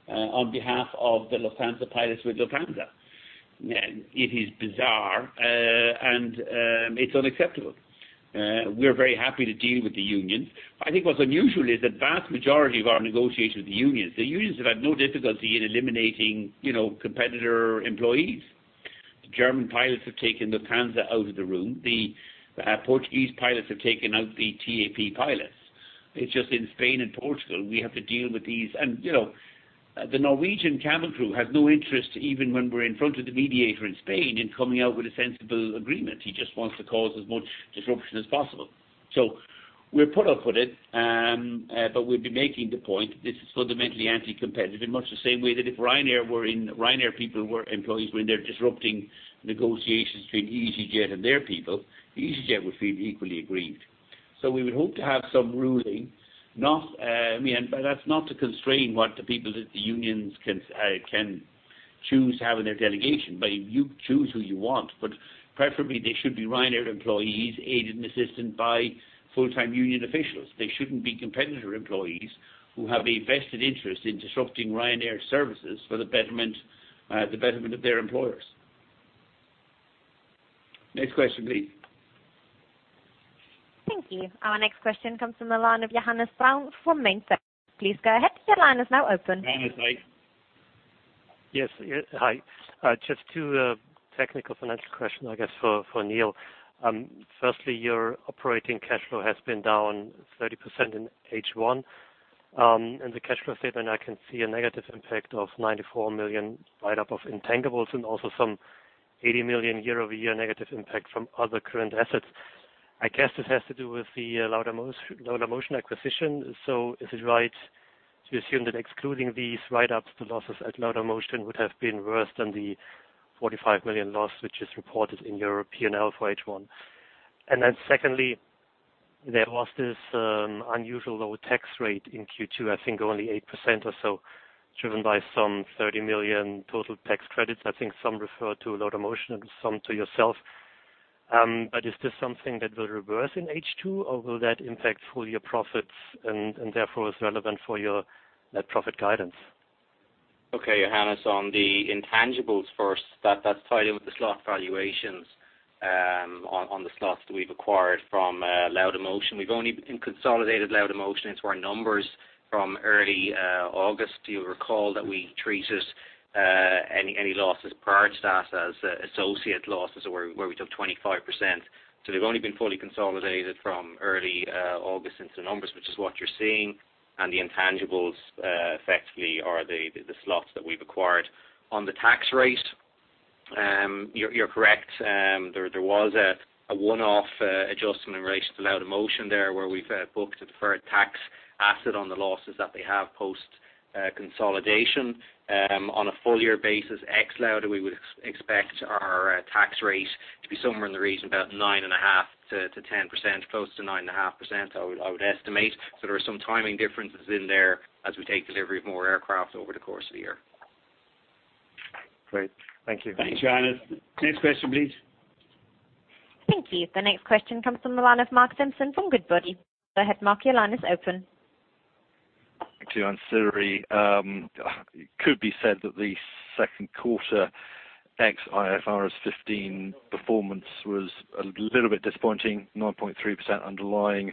Speaker 2: on behalf of the Lufthansa pilots with Lufthansa. It is bizarre, and it's unacceptable. We're very happy to deal with the unions. I think what's unusual is the vast majority of our negotiations with the unions, the unions have had no difficulty in eliminating competitor employees. The German pilots have taken Lufthansa out of the room. The Portuguese pilots have taken out the TAP pilots. It's just in Spain and Portugal, we have to deal with these. The Norwegian cabin crew has no interest, even when we're in front of the mediator in Spain, in coming out with a sensible agreement. He just wants to cause as much disruption as possible. We're put up with it, but we've been making the point that this is fundamentally anti-competitive in much the same way that if Ryanair people were employees when they're disrupting negotiations between easyJet and their people, easyJet would feel equally aggrieved. We would hope to have some ruling. That's not to constrain what the people that the unions can choose to have in their delegation. You choose who you want. Preferably they should be Ryanair employees aided and assisted by full-time union officials. They shouldn't be competitor employees who have a vested interest in disrupting Ryanair services for the betterment of their employers. Next question, please.
Speaker 1: Thank you. Our next question comes from the line of Johannes Braun from MainFirst. Please go ahead. Your line is now open.
Speaker 2: Johannes, hi.
Speaker 13: Yes. Hi. Just two technical financial question, I guess, for Neil. Firstly, your operating cash flow has been down 30% in H1. In the cash flow statement, I can see a negative impact of 94 million write-up of intangibles and also some 80 million year-over-year negative impact from other current assets. I guess this has to do with the Laudamotion acquisition. Is it right to assume that excluding these write-ups, the losses at Laudamotion would have been worse than the 45 million loss which is reported in your P&L for H1? Secondly, there was this unusual low tax rate in Q2, I think only 8% or so, driven by some 30 million total tax credits. I think some refer to Laudamotion and some to yourself. Is this something that will reverse in H2, or will that impact full-year profits and therefore is relevant for your net profit guidance?
Speaker 3: Okay, Johannes, on the intangibles first, that's tied in with the slot valuations on the slots that we've acquired from Laudamotion. We've only consolidated Laudamotion into our numbers from early August. You'll recall that we treated any losses prior to that as associate losses where we took 25%. They've only been fully consolidated from early August into the numbers, which is what you're seeing, and the intangibles effectively are the slots that we've acquired. On the tax rate, you're correct. There was a one-off adjustment in relation to Laudamotion there, where we've booked a deferred tax asset on the losses that they have post-consolidation. On a full-year basis, ex Lauda, we would expect our tax rate to be somewhere in the region about 9.5%-10%, close to 9.5%, I would estimate. There are some timing differences in there as we take delivery of more aircraft over the course of the year.
Speaker 13: Great. Thank you.
Speaker 2: Thanks, Johannes. Next question, please.
Speaker 1: Thank you. The next question comes from the line of Mark Simpson from Goodbody. Go ahead, Mark. Your line is open.
Speaker 14: Two ancillary. It could be said that the second quarter ex IFRS 15 performance was a little bit disappointing, 9.3% underlying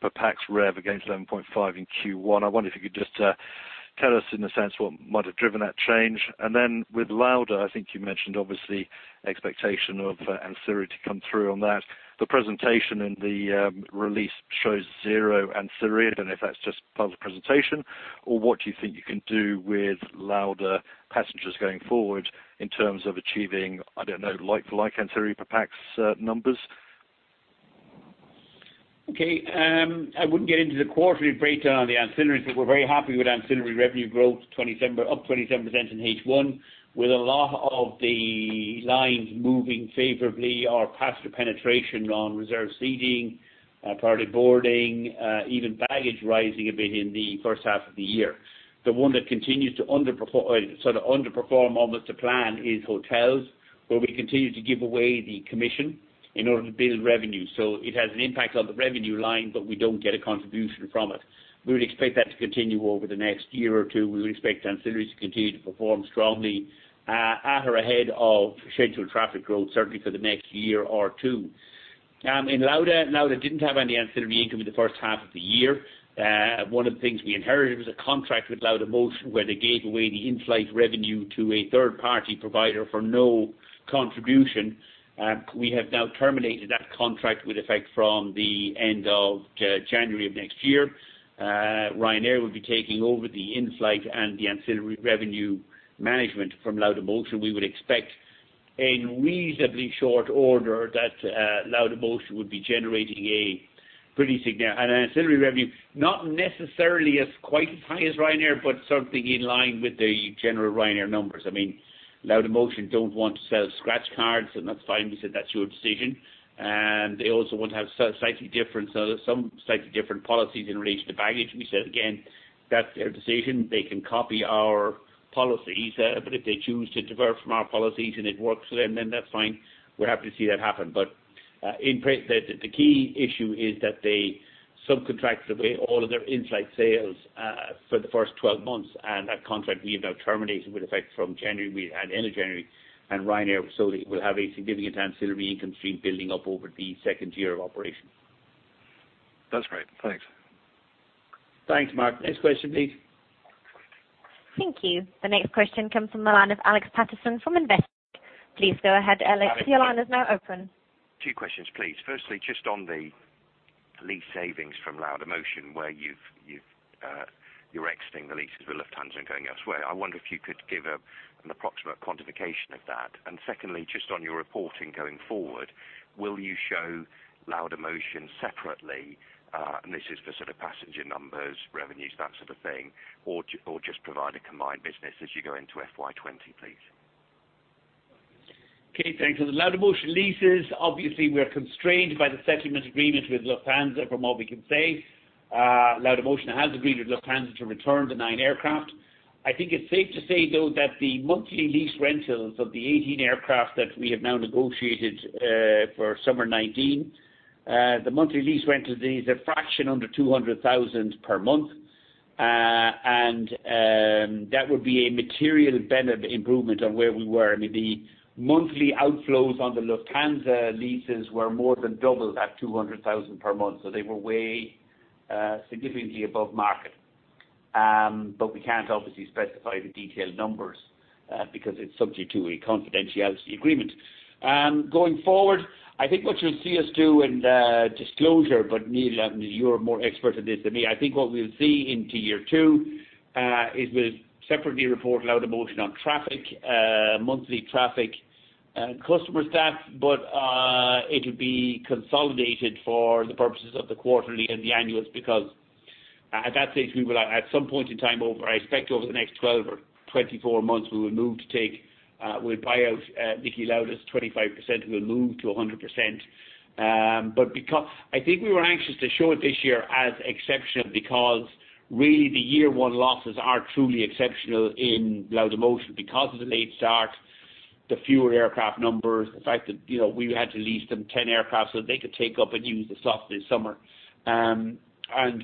Speaker 14: per pax rev against 11.5% in Q1. I wonder if you could just tell us in a sense what might have driven that change. With Lauda, I think you mentioned obviously expectation of ancillary to come through on that. The presentation in the release shows zero ancillary. I don't know if that's just part of the presentation, or what do you think you can do with Lauda passengers going forward in terms of achieving, I don't know, like-for-like ancillary per pax numbers?
Speaker 2: Okay. I wouldn't get into the quarterly breakdown on the ancillaries, but we're very happy with ancillary revenue growth up 27% in H1, with a lot of the lines moving favorably. Our passenger penetration on reserved seating, priority boarding, even baggage rising a bit in the first half of the year. The one that continues to underperform almost to plan is hotels, where we continue to give away the commission in order to build revenue. It has an impact on the revenue line, but we don't get a contribution from it. We would expect that to continue over the next year or two. We would expect ancillaries to continue to perform strongly at or ahead of scheduled traffic growth, certainly for the next year or two. In Lauda didn't have any ancillary income in the first half of the year. One of the things we inherited was a contract with Laudamotion where they gave away the in-flight revenue to a third-party provider for no contribution. We have now terminated that contract with effect from the end of January of next year. Ryanair will be taking over the in-flight and the ancillary revenue management from Laudamotion. We would expect in reasonably short order that Laudamotion would be generating a pretty significant ancillary revenue, not necessarily as quite as high as Ryanair, but certainly in line with the general Ryanair numbers. Laudamotion don't want to sell scratch cards. That's fine. We said, "That's your decision." They also want to have some slightly different policies in relation to baggage. We said, again, that's their decision. They can copy our policies. If they choose to divert from our policies and it works for them, that's fine. We're happy to see that happen. The key issue is that they subcontracted away all of their in-flight sales for the first 12 months, that contract we have now terminated with effect from January, end of January, Ryanair will have a significant ancillary income stream building up over the second year of operations. That's great. Thanks. Thanks, Mark. Next question, please.
Speaker 1: Thank you. The next question comes from the line of Alexander Paterson from Investec. Please go ahead, Alex. Your line is now open.
Speaker 15: Two questions, please. Firstly, just on the lease savings from Laudamotion where you're exiting the leases with Lufthansa and going elsewhere. I wonder if you could give an approximate quantification of that. Secondly, just on your reporting going forward, will you show Laudamotion separately? This is for sort of passenger numbers, revenues, that sort of thing, or just provide a combined business as you go into FY 2020, please.
Speaker 2: Okay, thanks. The Laudamotion leases, obviously we are constrained by the settlement agreement with Lufthansa from what we can say. Laudamotion has agreed with Lufthansa to return the nine aircraft. I think it's safe to say though that the monthly lease rentals of the 18 aircraft that we have now negotiated for summer 2019. The monthly lease rental is a fraction under 200,000 per month, that would be a material benefit improvement on where we were. I mean, the monthly outflows on the Lufthansa leases were more than double that 200,000 per month. They were way significantly above market. We can't obviously specify the detailed numbers, because it's subject to a confidentiality agreement. Going forward, I think what you'll see us do in disclosure, but Neil, you're more expert in this than me. I think what we'll see into year two, is we'll separately report Laudamotion on traffic, monthly traffic, customer stats. It'll be consolidated for the purposes of the quarterly and the annuals because at that stage we will at some point in time over, I expect over the next 12 or 24 months, we will move to take, we'll buy out Niki Lauda's 25%, we'll move to 100%. I think we were anxious to show it this year as exceptional because really the year-one losses are truly exceptional in Laudamotion because of the late start, the fewer aircraft numbers, the fact that we had to lease them 10 aircraft so that they could take up and use the slots this summer.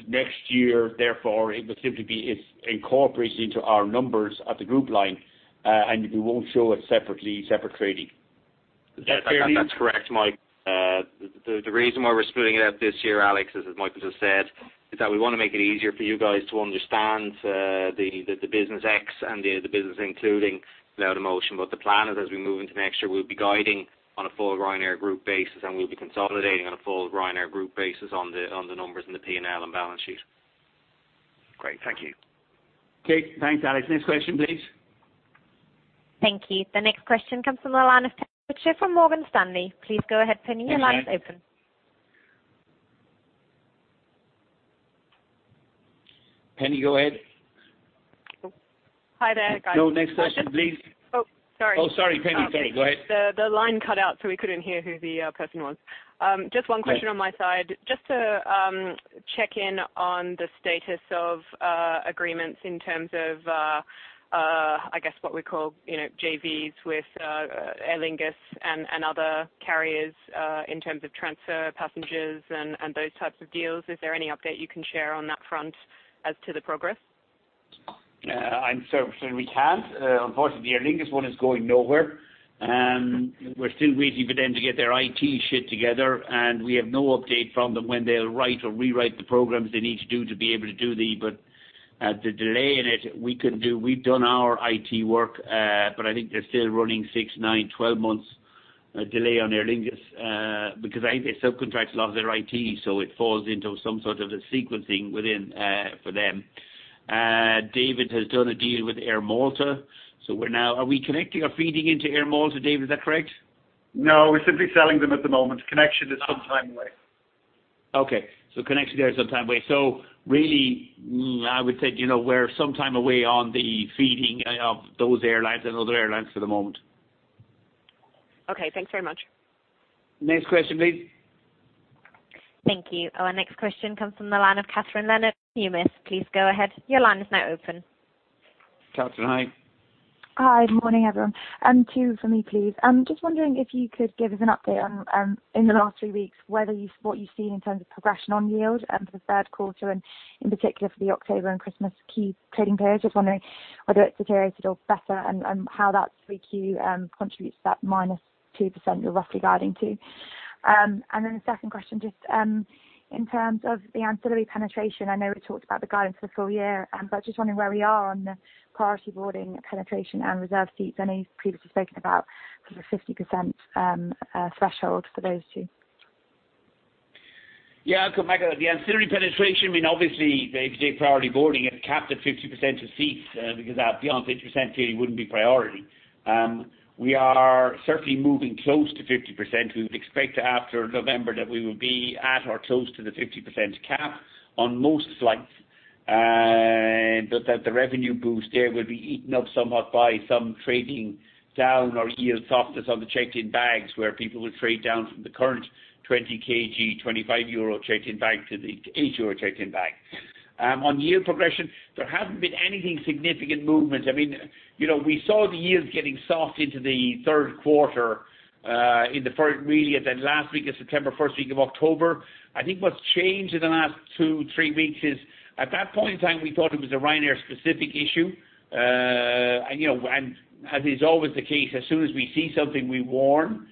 Speaker 2: Next year, therefore, it will simply be it's incorporated into our numbers at the group line, and we won't show it separately, separate trading. Is that fair, Neil?
Speaker 3: That's correct, Mike. The reason why we're splitting it out this year, Alex, as Michael just said, is that we want to make it easier for you guys to understand the business X and the business including Laudamotion. The plan is as we move into next year, we'll be guiding on a full Ryanair Group basis, and we'll be consolidating on a full Ryanair Group basis on the numbers and the P&L and balance sheet.
Speaker 15: Great. Thank you.
Speaker 2: Okay, thanks Alex. Next question please.
Speaker 1: Thank you. The next question comes from the line of Morgan Stanley. Please go ahead, Penny. Your line is open.
Speaker 2: Penny, go ahead.
Speaker 16: Hi there, guys.
Speaker 2: No, next question please.
Speaker 16: Oh, sorry.
Speaker 2: Oh, sorry. Penny, go ahead.
Speaker 16: The line cut out, so we couldn't hear who the person was. Just one question on my side. Just to check in on the status of agreements in terms of, I guess what we call JVs with, Aer Lingus and other carriers, in terms of transfer passengers and those types of deals. Is there any update you can share on that front as to the progress?
Speaker 2: I'm sorry to say we can't. Unfortunately, the Aer Lingus one is going nowhere. We're still waiting for them to get their IT shit together, and we have no update from them when they'll write or rewrite the programs they need to do. The delay in it, we've done our IT work. I think they're still running six, nine, 12 months delay on Aer Lingus. They subcontract a lot of their IT, so it falls into some sort of a sequencing within, for them. David has done a deal with Air Malta, so we're now-- Are we connecting or feeding into Air Malta, David, is that correct?
Speaker 6: No, we're simply selling them at the moment. Connection is some time away.
Speaker 2: Connection there is some time away. Really, I would say, we're some time away on the feeding of those airlines and other airlines for the moment.
Speaker 16: Okay, thanks very much.
Speaker 2: Next question please.
Speaker 1: Thank you. Our next question comes from the line of Catherine O'Connor, UBS. Please go ahead. Your line is now open.
Speaker 2: Catherine, hi.
Speaker 17: Hi. Morning, everyone. Two from me please. Just wondering if you could give us an update on, in the last three weeks, what you've seen in terms of progression on yield for the third quarter and in particular for the October and Christmas key trading periods. Just wondering whether it's deteriorated or better and how that 3Q contributes to that minus 2% you're roughly guiding to. The second question, just in terms of the ancillary penetration, I know we talked about the guidance for the full year. Just wondering where we are on the priority boarding penetration and reserve seats. I know you've previously spoken about sort of 50% threshold for those two.
Speaker 2: Yeah. I'll come back on the ancillary penetration. I mean, obviously if you did priority boarding, it would cap at 50% of seats, because beyond 50% clearly it wouldn't be priority. We are certainly moving close to 50%. We would expect after November that we will be at or close to the 50% cap on most flights. That the revenue boost there will be eaten up somewhat by some trading down or yield softness on the checked-in bags where people will trade down from the current 20kg, 25 euro checked-in bag to the 8 euro checked-in bag. On yield progression, there hasn't been anything significant movement. I mean, we saw the yields getting soft into the third quarter, really at the last week of September, first week of October. I think what's changed in the last two, three weeks is at that point in time, we thought it was a Ryanair-specific issue. As is always the case, as soon as we see something, we warn.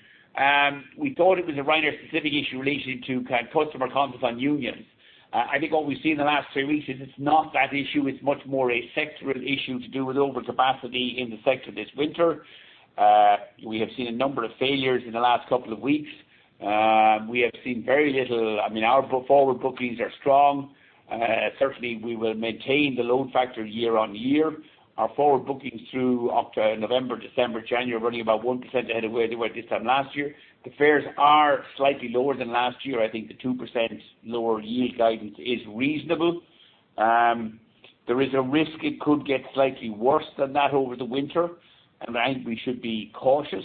Speaker 2: We thought it was a Ryanair-specific issue relating to kind of customer contact on union. I think what we've seen in the last three weeks is it's not that issue. It's much more a sectoral issue to do with overcapacity in the sector this winter. We have seen a number of failures in the last couple of weeks. Our forward bookings are strong. Certainly, we will maintain the load factor year-over-year. Our forward bookings through November, December, January are running about 1% ahead of where they were this time last year. The fares are slightly lower than last year. I think the 2% lower yield guidance is reasonable. There is a risk it could get slightly worse than that over the winter. I think we should be cautious.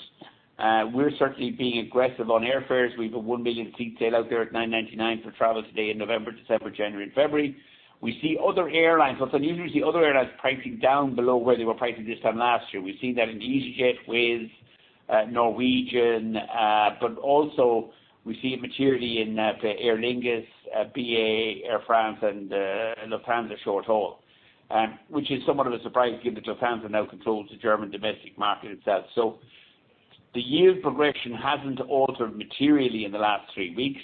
Speaker 2: We're certainly being aggressive on airfares. We've a 1 million seat sale out there at 999 for travel today in November, December, January and February. We see other airlines pricing down below where they were pricing this time last year. We see that in easyJet, Wizz, Norwegian, but also we see it materially in Aer Lingus, BA, Air France, and Lufthansa short haul. Which is somewhat of a surprise given that Lufthansa now controls the German domestic market itself. The yield progression hasn't altered materially in the last three weeks.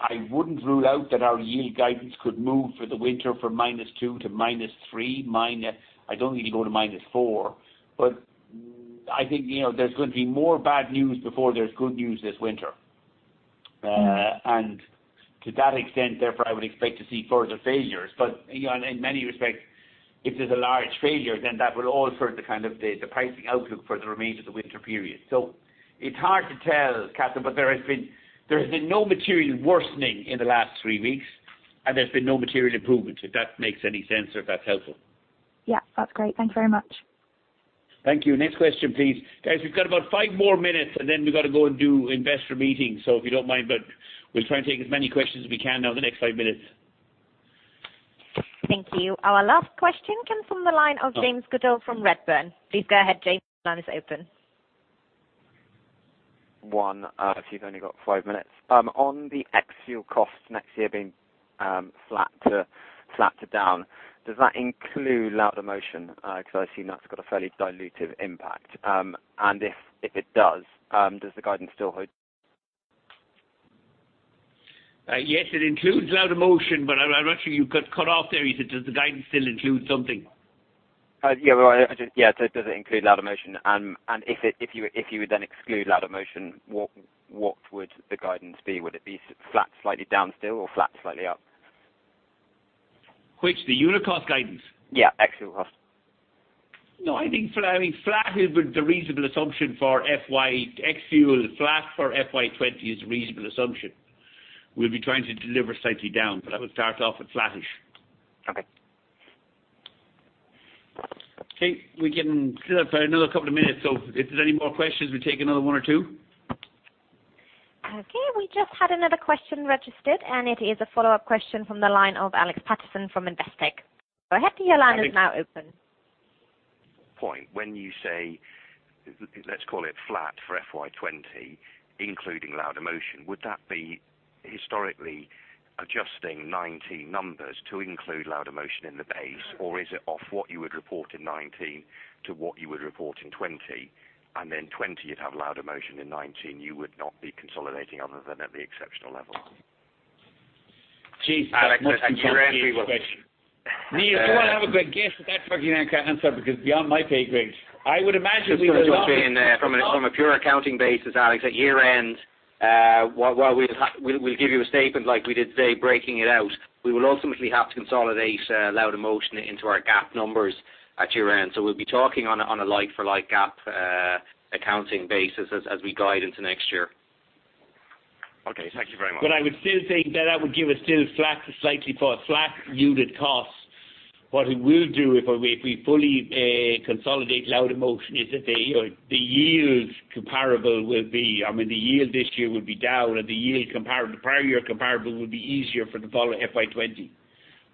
Speaker 2: I wouldn't rule out that our yield guidance could move for the winter from minus two to minus three. I don't think it'll go to minus four. I think there's going to be more bad news before there's good news this winter. To that extent, therefore, I would expect to see further failures. In many respects, if there's a large failure, then that will alter the pricing outlook for the remainder of the winter period. It's hard to tell, Catherine, but there has been no material worsening in the last three weeks, and there's been no material improvement, if that makes any sense or if that's helpful.
Speaker 17: Yeah, that's great. Thanks very much.
Speaker 2: Thank you. Next question, please. Guys, we've got about five more minutes, and then we've got to go and do investor meetings. If you don't mind, but we'll try and take as many questions as we can now in the next five minutes.
Speaker 1: Thank you. Our last question comes from the line of James Goodall from Redburn. Please go ahead, James. Your line is open.
Speaker 18: One, if you've only got five minutes. On the ex-fuel costs next year being flat to down, does that include Laudamotion? I assume that's got a fairly dilutive impact. If it does the guidance still hold?
Speaker 2: Yes, it includes Laudamotion, but I'm not sure you got cut off there. You said, does the guidance still include something?
Speaker 18: Yeah. Does it include Laudamotion? If you would then exclude Laudamotion, what would the guidance be? Would it be flat, slightly down still, or flat, slightly up?
Speaker 2: Which? The unit cost guidance?
Speaker 18: Yeah. Ex-fuel cost.
Speaker 2: No, I think ex-fuel flat for FY 2020 is a reasonable assumption. We'll be trying to deliver slightly down, but I would start off with flattish.
Speaker 18: Okay.
Speaker 2: We can stay up for another couple of minutes, so if there's any more questions, we'll take another one or two.
Speaker 1: We just had another question registered, and it is a follow-up question from the line of Alex Paterson from Investec. Go ahead, your line is now open.
Speaker 15: Point. When you say, let's call it flat for FY20, including Laudamotion, would that be historically adjusting 2019 numbers to include Laudamotion in the base? Or is it off what you would report in 2019 to what you would report in 2020, and then 2020 you'd have Laudamotion, and 2019 you would not be consolidating other than at the exceptional level?
Speaker 2: Jesus, that's much too complex a question.
Speaker 3: Alex-
Speaker 2: Neil, do you want to have a guess at that fucking answer? Beyond my pay grade. I would imagine we will not.
Speaker 3: Just going to jump in. From a pure accounting basis, Alex, at year-end, we'll give you a statement like we did today, breaking it out. We will ultimately have to consolidate Laudamotion into our GAAP numbers at year-end. We'll be talking on a like-for-like GAAP accounting basis as we guide into next year.
Speaker 15: Okay. Thank you very much.
Speaker 2: I would still think that that would give a still slightly flat unit cost. What it will do, if we fully consolidate Laudamotion, is that the yield this year would be down, and the prior year comparable would be easier for the following FY 2020.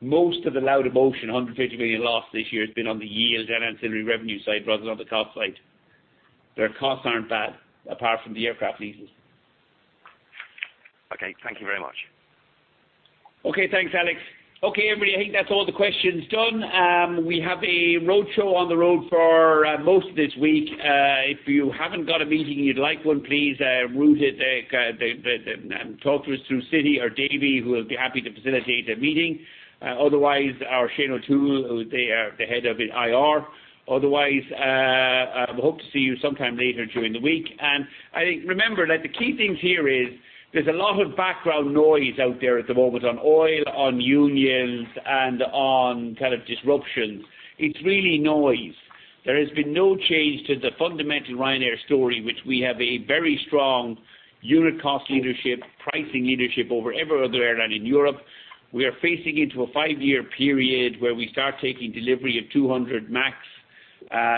Speaker 2: Most of the Laudamotion, 150 million loss this year, has been on the yield and ancillary revenue side rather than on the cost side. Their costs aren't bad, apart from the aircraft leases.
Speaker 15: Okay. Thank you very much.
Speaker 2: Okay, thanks Alex. Okay, everybody, I think that's all the questions done. We have a roadshow on the road for most of this week. If you haven't got a meeting and you'd like one, please talk to us through Cindy or David, who will be happy to facilitate a meeting. Otherwise, or Shane O'Toole, the head of IR. Otherwise, we hope to see you sometime later during the week. Remember that the key things here is there's a lot of background noise out there at the moment on oil, on unions, and on disruptions. It's really noise. There has been no change to the fundamental Ryanair story, which we have a very strong unit cost leadership, pricing leadership over every other airline in Europe. We are facing into a five-year period where we start taking delivery of 200 MAX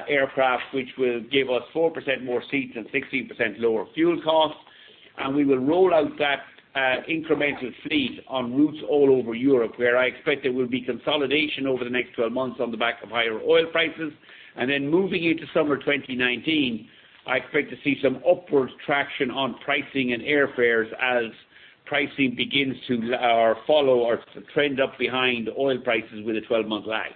Speaker 2: aircraft, which will give us 4% more seats and 16% lower fuel costs. We will roll out that incremental fleet on routes all over Europe, where I expect there will be consolidation over the next 12 months on the back of higher oil prices. Moving into summer 2019, I expect to see some upwards traction on pricing and airfares as pricing begins to follow or trend up behind oil prices with a 12-month lag.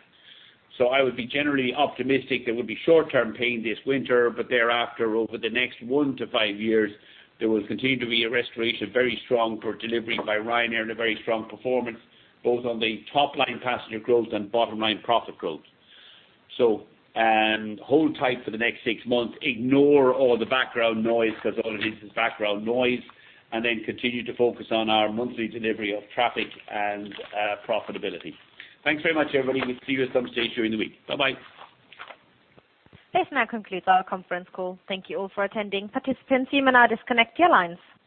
Speaker 2: I would be generally optimistic. There will be short-term pain this winter, but thereafter, over the next one to five years, there will continue to be a restoration, very strong for deliveries by Ryanair and a very strong performance both on the top-line passenger growth and bottom-line profit growth. Hold tight for the next six months. Ignore all the background noise, because all it is background noise. Continue to focus on our monthly delivery of traffic and profitability. Thanks very much, everybody. We'll see you at some stage during the week. Bye-bye.
Speaker 1: This now concludes our conference call. Thank you all for attending. Participants, you may now disconnect your lines.